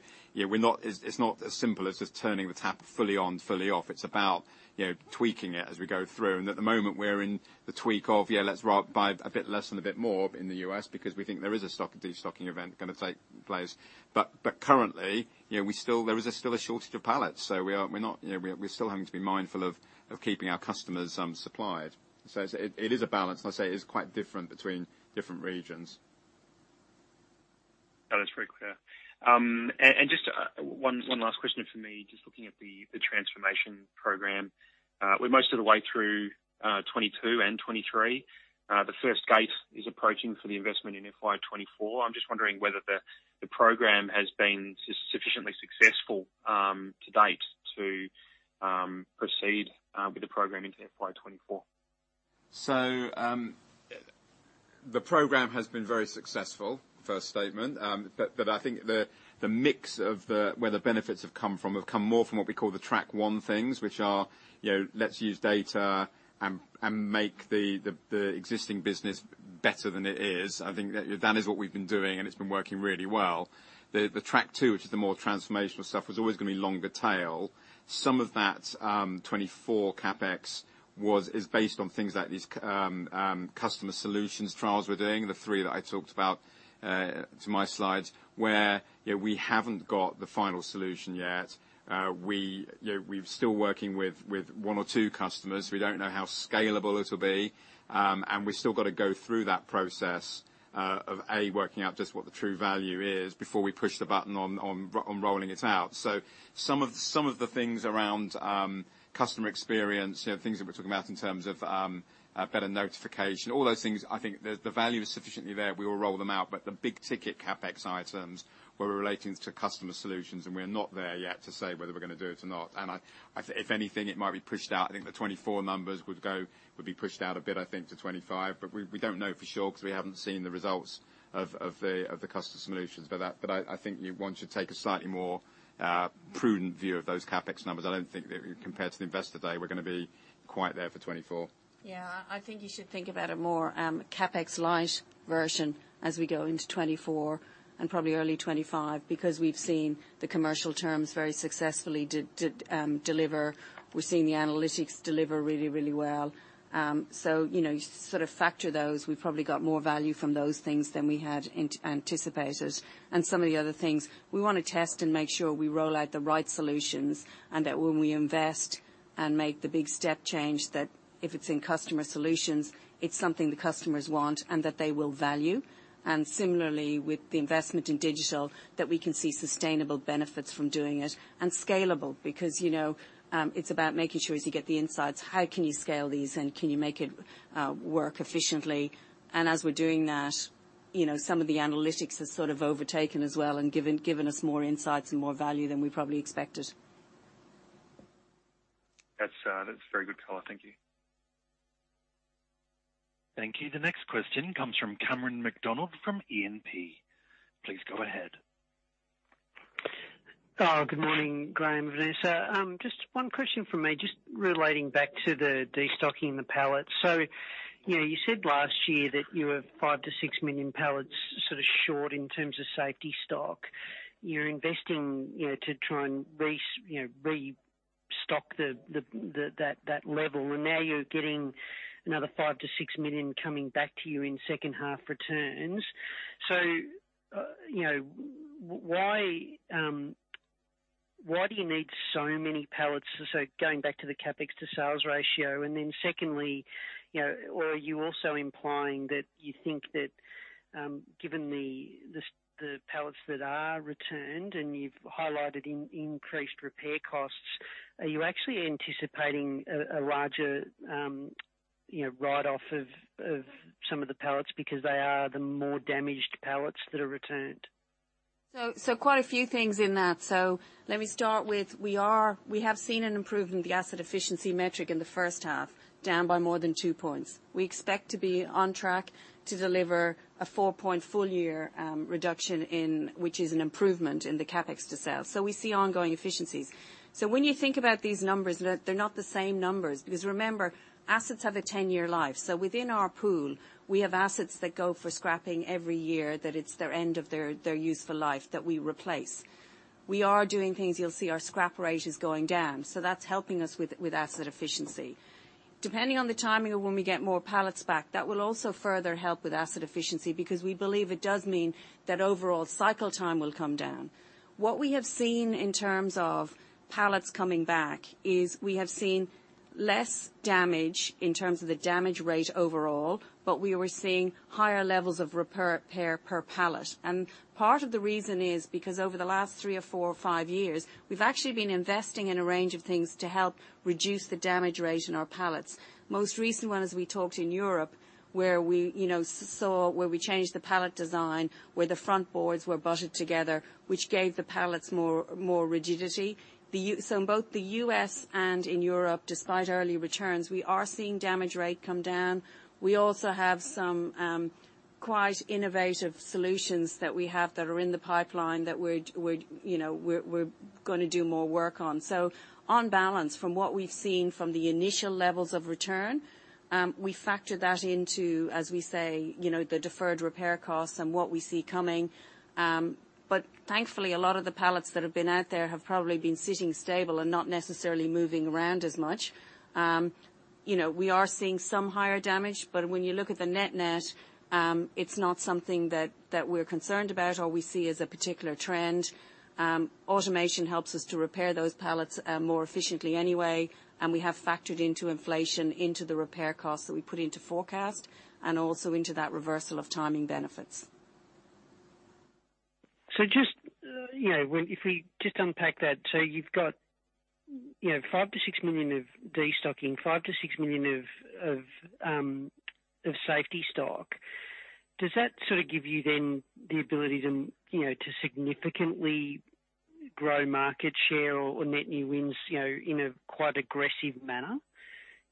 know, it's not as simple as just turning the tap fully on, fully off. It's about, you know, tweaking it as we go through. At the moment we're in the tweak of, yeah, let's buy a bit less and a bit more in the U.S. because we think there is a stock, a destocking event gonna take place. Currently, you know, we still... There is a still a shortage of pallets. We're still having to be mindful of keeping our customers supplied. It is a balance, and I say it's quite different between different regions. That is very clear. Just one last question for me. Just looking at the transformation program. We're most of the way through 2022 and 2023. The first gate is approaching for the investment in FY24. I'm just wondering whether the program has been sufficiently successful to date to proceed with the programming to FY24. The program has been very successful, first statement. But I think the mix of where the benefits have come from have come more from what we call the track one things, which are, you know, let's use data and make the existing business better than it is. I think that is what we've been doing, and it's been working really well. The track two, which is the more transformational stuff, was always gonna be longer tail. Some of that 2024 CapEx was, is based on things like these customer solutions trials we're doing, the three that I talked about to my slides, where, you know, we haven't got the final solution yet. We, you know, we're still working with one or two customers. We don't know how scalable it'll be. We still gotta go through that process of A, working out just what the true value is before we push the button on rolling it out. Some of, some of the things around customer experience, you know, things that we're talking about in terms of better notification, all those things, I think the value is sufficiently there. We will roll them out. The big ticket CapEx items were relating to customer solutions, and we're not there yet to say whether we're gonna do it or not. I, if anything, it might be pushed out. I think the 2024 numbers would go, would be pushed out a bit, I think, to 2025. We, we don't know for sure because we haven't seen the results of the customer solutions. I think one should take a slightly more prudent view of those CapEx numbers. I don't think that compared to the investor day, we're gonna be quite there for 2024. Yeah. I think you should think about a more, CapEx light version as we go into 2024 and probably early 2025, because we've seen the commercial terms very successfully deliver. We're seeing the analytics deliver really, really well. You know, you sort of factor those, we've probably got more value from those things than we had anticipated. Some of the other things we wanna test and make sure we roll out the right solutions and that when we invest and make the big step change, that if it's in customer solutions, it's something the customers want and that they will value. Similarly, with the investment in digital, that we can see sustainable benefits from doing it and scalable because, you know, it's about making sure as you get the insights, how can you scale these and can you make it work efficiently. As we're doing that, you know, some of the analytics have sort of overtaken as well and given us more insights and more value than we probably expected. That's very good color. Thank you. Thank you. The next question comes from Cameron McDonald from E&P. Please go ahead. Good morning, Graham, Nessa. Just one question from me, just relating back to the destocking the pallets. You know, you said last year that you were 5 million-6 million pallets sort of short in terms of safety stock. You're investing, you know, to try and restock that level, and now you're getting another 5 million-6 million coming back to you in H2 returns. You know, why do you need so many pallets? Going back to the CapEx to sales ratio. Secondly, you know, or are you also implying that you think that, given the pallets that are returned and you've highlighted in increased repair costs, are you actually anticipating a larger, you know, write-off of some of the pallets because they are the more damaged pallets that are returned? Quite a few things in that. Let me start with we have seen an improvement in the asset efficiency metric in the H1, down by more than two points. We expect to be on track to deliver a four-point full year reduction in, which is an improvement in the CapEx to sales. We see ongoing efficiencies. When you think about these numbers, they're not the same numbers because remember, assets have a 10-year life. Within our pool we have assets that go for scrapping every year that it's their end of their useful life that we replace. We are doing things. You'll see our scrap rate is going down. That's helping us with asset efficiency. Depending on the timing of when we get more pallets back, that will also further help with asset efficiency because we believe it does mean that overall cycle time will come down. What we have seen in terms of pallets coming back is we have seen less damage in terms of the damage rate overall, but we were seeing higher levels of repair per pallet. Part of the reason is because over the last three or four or five years, we've actually been investing in a range of things to help reduce the damage rate in our pallets. Most recent one is we talked in Europe, where we, you know, saw where we changed the pallet design, where the front boards were butted together, which gave the pallets more rigidity. In both the U.S. and in Europe, despite early returns, we are seeing damage rate come down. We also have some quite innovative solutions that we have that are in the pipeline that we're, you know, we're gonna do more work on. On balance, from what we've seen from the initial levels of return, we factor that into, as we say, you know, the deferred repair costs and what we see coming. Thankfully, a lot of the pallets that have been out there have probably been sitting stable and not necessarily moving around as much. You know, we are seeing some higher damage, but when you look at the net-net, it's not something that we're concerned about or we see as a particular trend. Automation helps us to repair those pallets more efficiently anyway. We have factored into inflation, into the repair costs that we put into forecast and also into that reversal of timing benefits. Just, you know, if we just unpack that, so you've got, you know, $5 million-$6 million of destocking, $5 million-$6 million of safety stock. Does that sort of give you then the ability to, you know, to significantly grow market share or net new wins, you know, in a quite aggressive manner,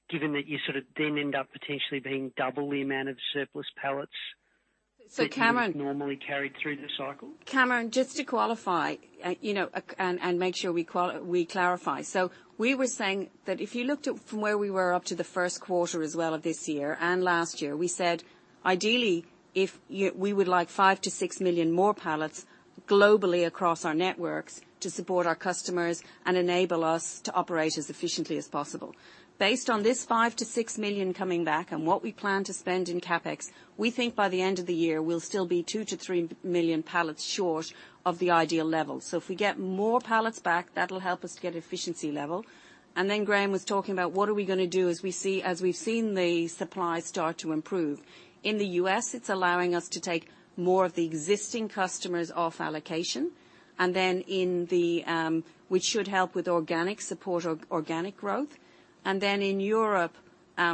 given that you sort of then end up potentially being double the amount of surplus pallets? Cameron. that you would normally carry through the cycle. Cameron, just to qualify, you know, and make sure we clarify. We were saying that if you looked at from where we were up to the Q1 as well of this year and last year, we said ideally we would like 5 million-6 million more pallets globally across our networks to support our customers and enable us to operate as efficiently as possible. Based on this 5 million-6 million coming back and what we plan to spend in CapEx, we think by the end of the year, we'll still be 2 million-3 million pallets short of the ideal level. If we get more pallets back, that'll help us to get efficiency level. Graham was talking about what are we gonna do as we've seen the supply start to improve. In the U.S., it's allowing us to take more of the existing customers off allocation, which should help with organic support, or organic growth. In Europe,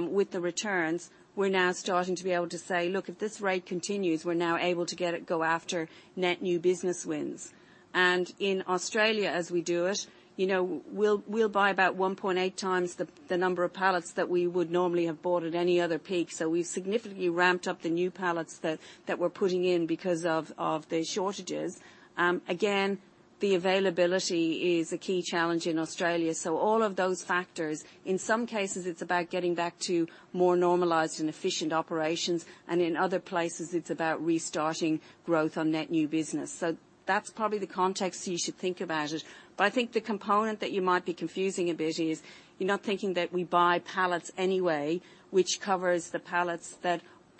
with the returns, we're now starting to be able to say, "Look, if this rate continues, we're now able to get it go after net new business wins." In Australia, as we do it, you know, we'll buy about 1.8x the number of pallets that we would normally have bought at any other peak. We've significantly ramped up the new pallets that we're putting in because of the shortages. Again, the availability is a key challenge in Australia. All of those factors, in some cases, it's about getting back to more normalized and efficient operations, and in other places, it's about restarting growth on net new business. That's probably the context you should think about it. But I think the component that you might be confusing a bit is you're not thinking that we buy pallets anyway, which covers the pallets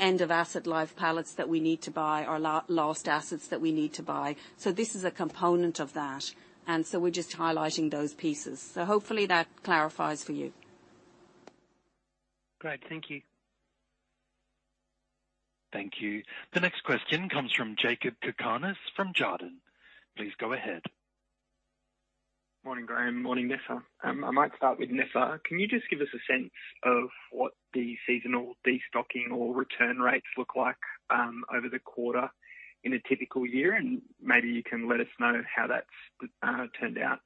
that end of asset life pallets that we need to buy or lost assets that we need to buy. This is a component of that, and we're just highlighting those pieces. Hopefully that clarifies for you. Great. Thank you. Thank you. The next question comes from Jakob Cakarnis from Jarden. Please go ahead. Morning, Graham. Morning, Nessa. I might start with Nessa. Can you just give us a sense of what the seasonal destocking or return rates look like over the quarter in a typical year? Maybe you can let us know how that's turned out,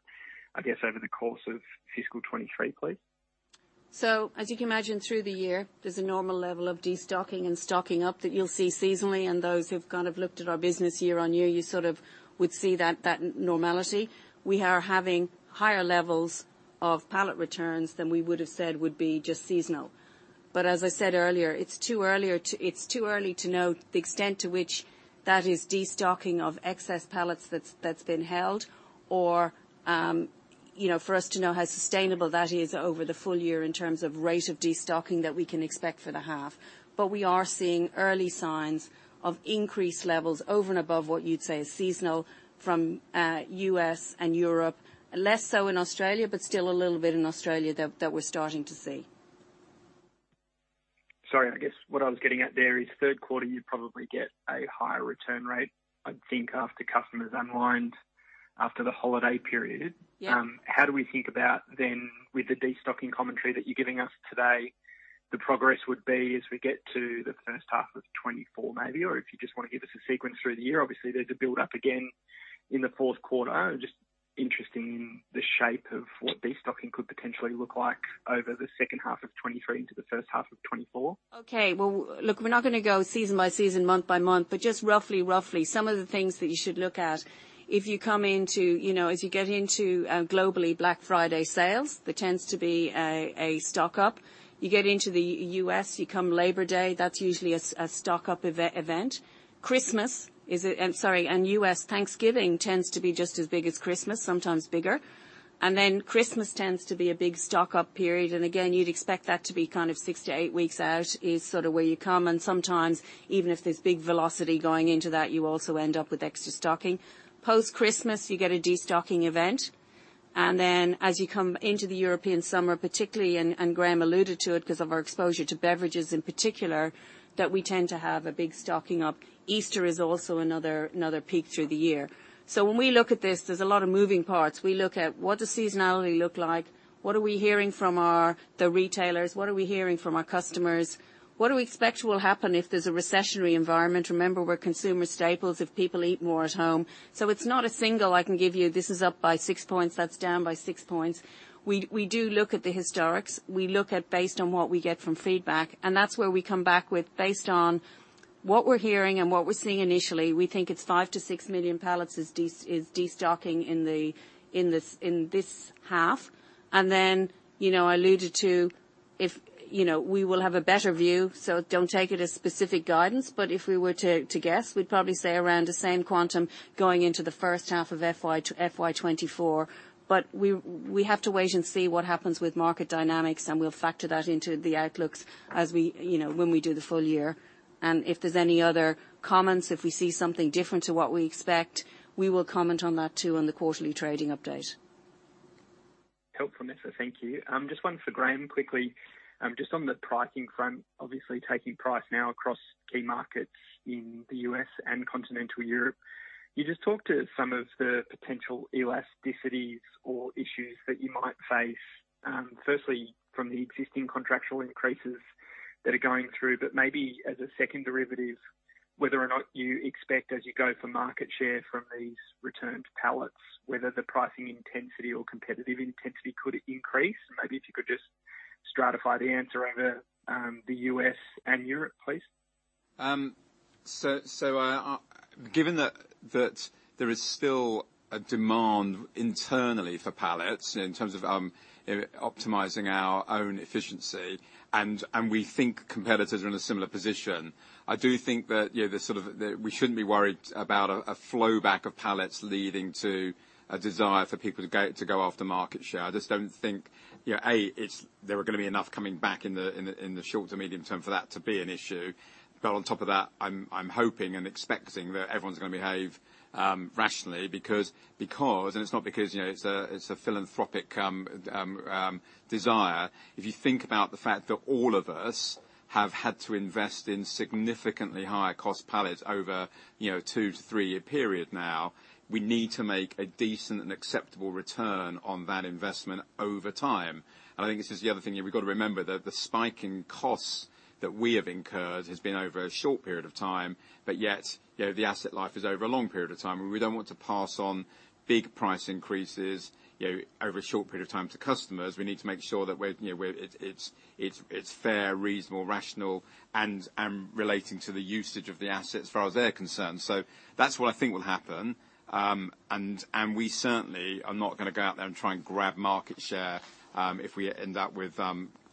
I guess, over the course of fiscal 2023, please. As you can imagine, through the year, there's a normal level of destocking and stocking up that you'll see seasonally. Those who've kind of looked at our business year-on-year, you sort of would see that normality. We are having higher levels of pallet returns than we would have said would be just seasonal. As I said earlier, it's too early to know the extent to which that is destocking of excess pallets that's been held or, you know, for us to know how sustainable that is over the full year in terms of rate of destocking that we can expect for the half. We are seeing early signs of increased levels over and above what you'd say is seasonal from U.S. and Europe. Less so in Australia, still a little bit in Australia that we're starting to see. Sorry. I guess what I was getting at there is Q3, you probably get a higher return rate, I think, after customers unwind after the holiday period. Yeah. How do we think about then with the destocking commentary that you're giving us today, the progress would be as we get to the H1 of 2024, maybe? If you just wanna give us a sequence through the year. There's a build up again in the Q4. Interesting the shape of what destocking could potentially look like over the H2 of 2023 into the H1 of 2024. Okay. Well, look, we're not gonna go season by season, month by month, but just roughly some of the things that you should look at. If you come into, you know, as you get into globally, Black Friday sales, there tends to be a stock-up. You get into the U.S..,. You come Labor Day, that's usually a stock-up event. US Thanksgiving tends to be just as big as Christmas, sometimes bigger. Christmas tends to be a big stock-up period. Again, you'd expect that to be kind of 6 weeks-8 weeks out is sort of where you come. Sometimes even if there's big velocity going into that, you also end up with extra stocking. Post-Christmas, you get a destocking event. As you come into the European summer particularly, and Graham alluded to it because of our exposure to beverages in particular, that we tend to have a big stocking up. Easter is also another peak through the year. When we look at this, there's a lot of moving parts. We look at what does seasonality look like? What are we hearing from our retailers? What are we hearing from our customers? What do we expect will happen if there's a recessionary environment? Remember, we're consumer staples if people eat more at home. It's not a single I can give you, this is up by six points, that's down by six points. We do look at the historics. We look at based on what we get from feedback. That's where we come back with based on what we're hearing and what we're seeing initially, we think it's 5 million-6 million pallets is destocking in this, in this half. Then, you know, I alluded to if, you know, we will have a better view, so don't take it as specific guidance. If we were to guess, we'd probably say around the same quantum going into the H1 of FY24. We have to wait and see what happens with market dynamics, and we'll factor that into the outlooks as we, you know, when we do the full year. If there's any other comments, if we see something different to what we expect, we will comment on that too on the quarterly trading update. Helpful, Nessa. Thank you. Just one for Graham quickly. Just on the pricing front, obviously taking price now across key markets in the U.S. and continental Europe. Can you just talk to some of the potential elasticities or issues that you might face, firstly, from the existing contractual increases that are going through, but maybe as a second derivative, whether or not you expect as you go for market share from these returned pallets, whether the pricing intensity or competitive intensity could increase? Maybe if you could just stratify the answer over the U.S. and Europe, please. Given that there is still a demand internally for pallets in terms of optimizing our own efficiency and we think competitors are in a similar position, I do think that, you know, the sort of, we shouldn't be worried about a flow back of pallets leading to a desire for people to go after market share. I just don't think, you know, A, there are gonna be enough coming back in the short to medium term for that to be an issue. On top of that, I'm hoping and expecting that everyone's gonna behave rationally because, and it's not because, you know, it's a philanthropic desire. If you think about the fact that all of us have had to invest in significantly higher cost pallets over, you know, 2 year-3 year period now, we need to make a decent and acceptable return on that investment over time. I think this is the other thing that we've got to remember, the spike in costs that we have incurred has been over a short period of time. Yet, you know, the asset life is over a long period of time, and we don't want to pass on big price increases, you know, over a short period of time to customers. We need to make sure that It's fair, reasonable, rational, and relating to the usage of the asset as far as they're concerned. That's what I think will happen. We certainly are not gonna go out there and try and grab market share, if we end up with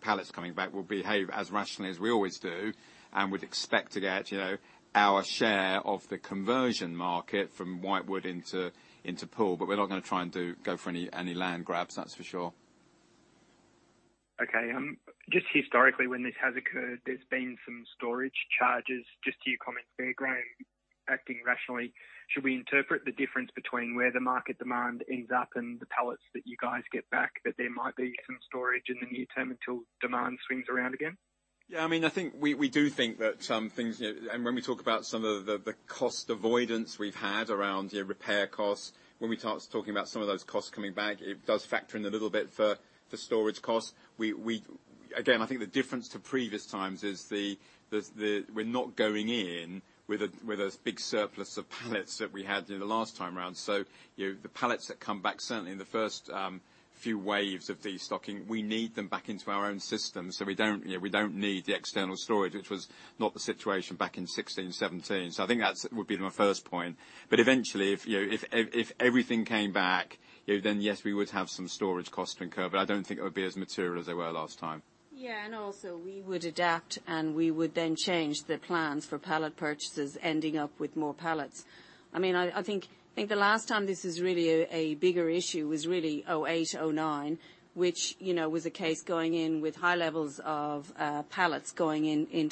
pallets coming back. We'll behave as rationally as we always do, and we'd expect to get, you know, our share of the conversion market from whitewood into pool. We're not gonna try and go for any land grabs, that's for sure. Okay. Just historically, when this has occurred, there's been some storage charges. Just to your comments there, Graham, acting rationally, should we interpret the difference between where the market demand ends up and the pallets that you guys get back, that there might be some storage in the near term until demand swings around again? Yeah. I mean, I think we do think that some things, you know. When we talk about some of the cost avoidance we've had around, you know, repair costs, when we start talking about some of those costs coming back, it does factor in a little bit for storage costs. We. Again, I think the difference to previous times is we're not going in with a big surplus of pallets that we had, you know, the last time around. The pallets that come back, certainly in the first few waves of destocking, we need them back into our own system, so we don't, you know, we don't need the external storage, which was not the situation back in 2016, 2017. I think that's would be my first point. Eventually, if, you know, if everything came back, you know, then yes, we would have some storage costs to incur, but I don't think it would be as material as they were last time. Yeah. Also we would adapt, and we would then change the plans for pallet purchases ending up with more pallets. I mean, I think the last time this is really a bigger issue was really 2008, 2009, which, you know, was a case going into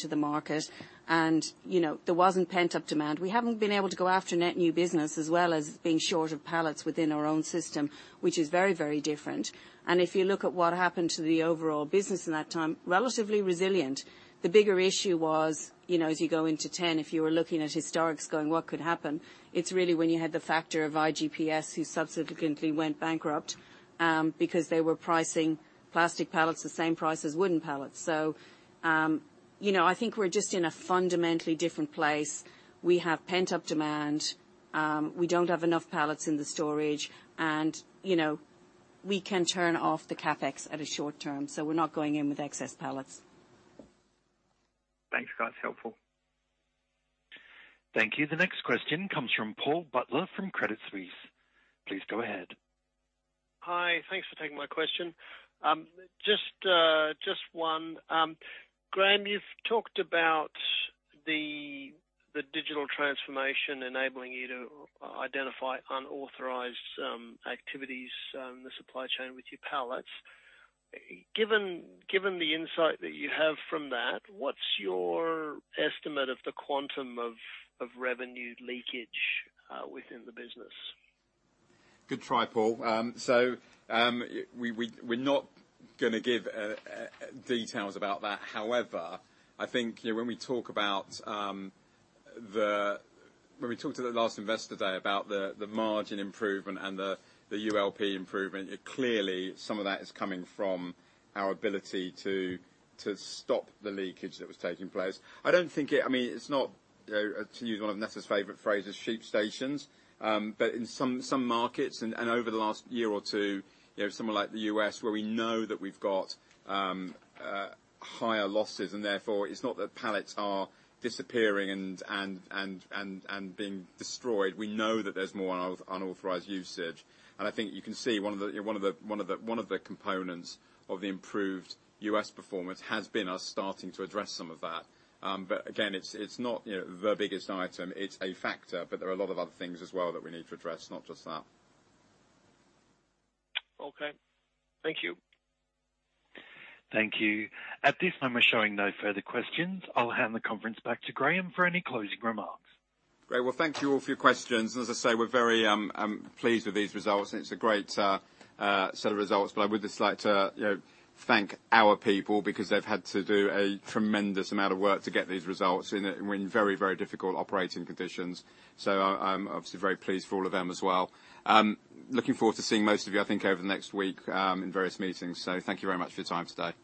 the market. You know, there wasn't pent-up demand. We haven't been able to go after net new business, as well as being short of pallets within our own system, which is very, very different. If you look at what happened to the overall business in that time, relatively resilient. The bigger issue was, you know, as you go into 2010, if you were looking at historics going, "What could happen?" It's really when you had the factor of iGPS, who subsequently went bankrupt, because they were pricing plastic pallets the same price as wooden pallets. You know, I think we're just in a fundamentally different place. We have pent-up demand. We don't have enough pallets in the storage and, you know, we can turn off the CapEx at a short term, so we're not going in with excess pallets. Thanks, guys. Helpful. Thank you. The next question comes from Paul Butler from Credit Suisse. Please go ahead. Hi. Thanks for taking my question. Just one. Graham, you've talked about the digital transformation enabling you to identify unauthorized activities in the supply chain with your pallets. Given the insight that you have from that, what's your estimate of the quantum of revenue leakage within the business? Good try, Paul. We're not gonna give details about that. However, I think, you know, when we talk about, the... When we talked at the last Investor Day about the margin improvement and the ULP improvement, clearly some of that is coming from our ability to stop the leakage that was taking place. I don't think it's not, you know, to use one of Nessa's favorite phrases, sheep stations. In some markets and over the last year or two, you know, somewhere like the U.S. where we know that we've got higher losses, and therefore it's not that pallets are disappearing and being destroyed. We know that there's more unauthorized usage. I think you can see one of the, you know, one of the components of the improved U.S. performance has been us starting to address some of that. Again, it's not, you know, the biggest item. It's a factor, but there are a lot of other things as well that we need to address, not just that. Okay. Thank you. Thank you. At this time, we're showing no further questions. I'll hand the conference back to Graham for any closing remarks. Great. Well, thank you all for your questions. As I say, we're very pleased with these results and it's a great set of results. I would just like to, you know, thank our people because they've had to do a tremendous amount of work to get these results in a, in very, very difficult operating conditions. I'm obviously very pleased for all of them as well. Looking forward to seeing most of you, I think, over the next week, in various meetings. Thank you very much for your time today.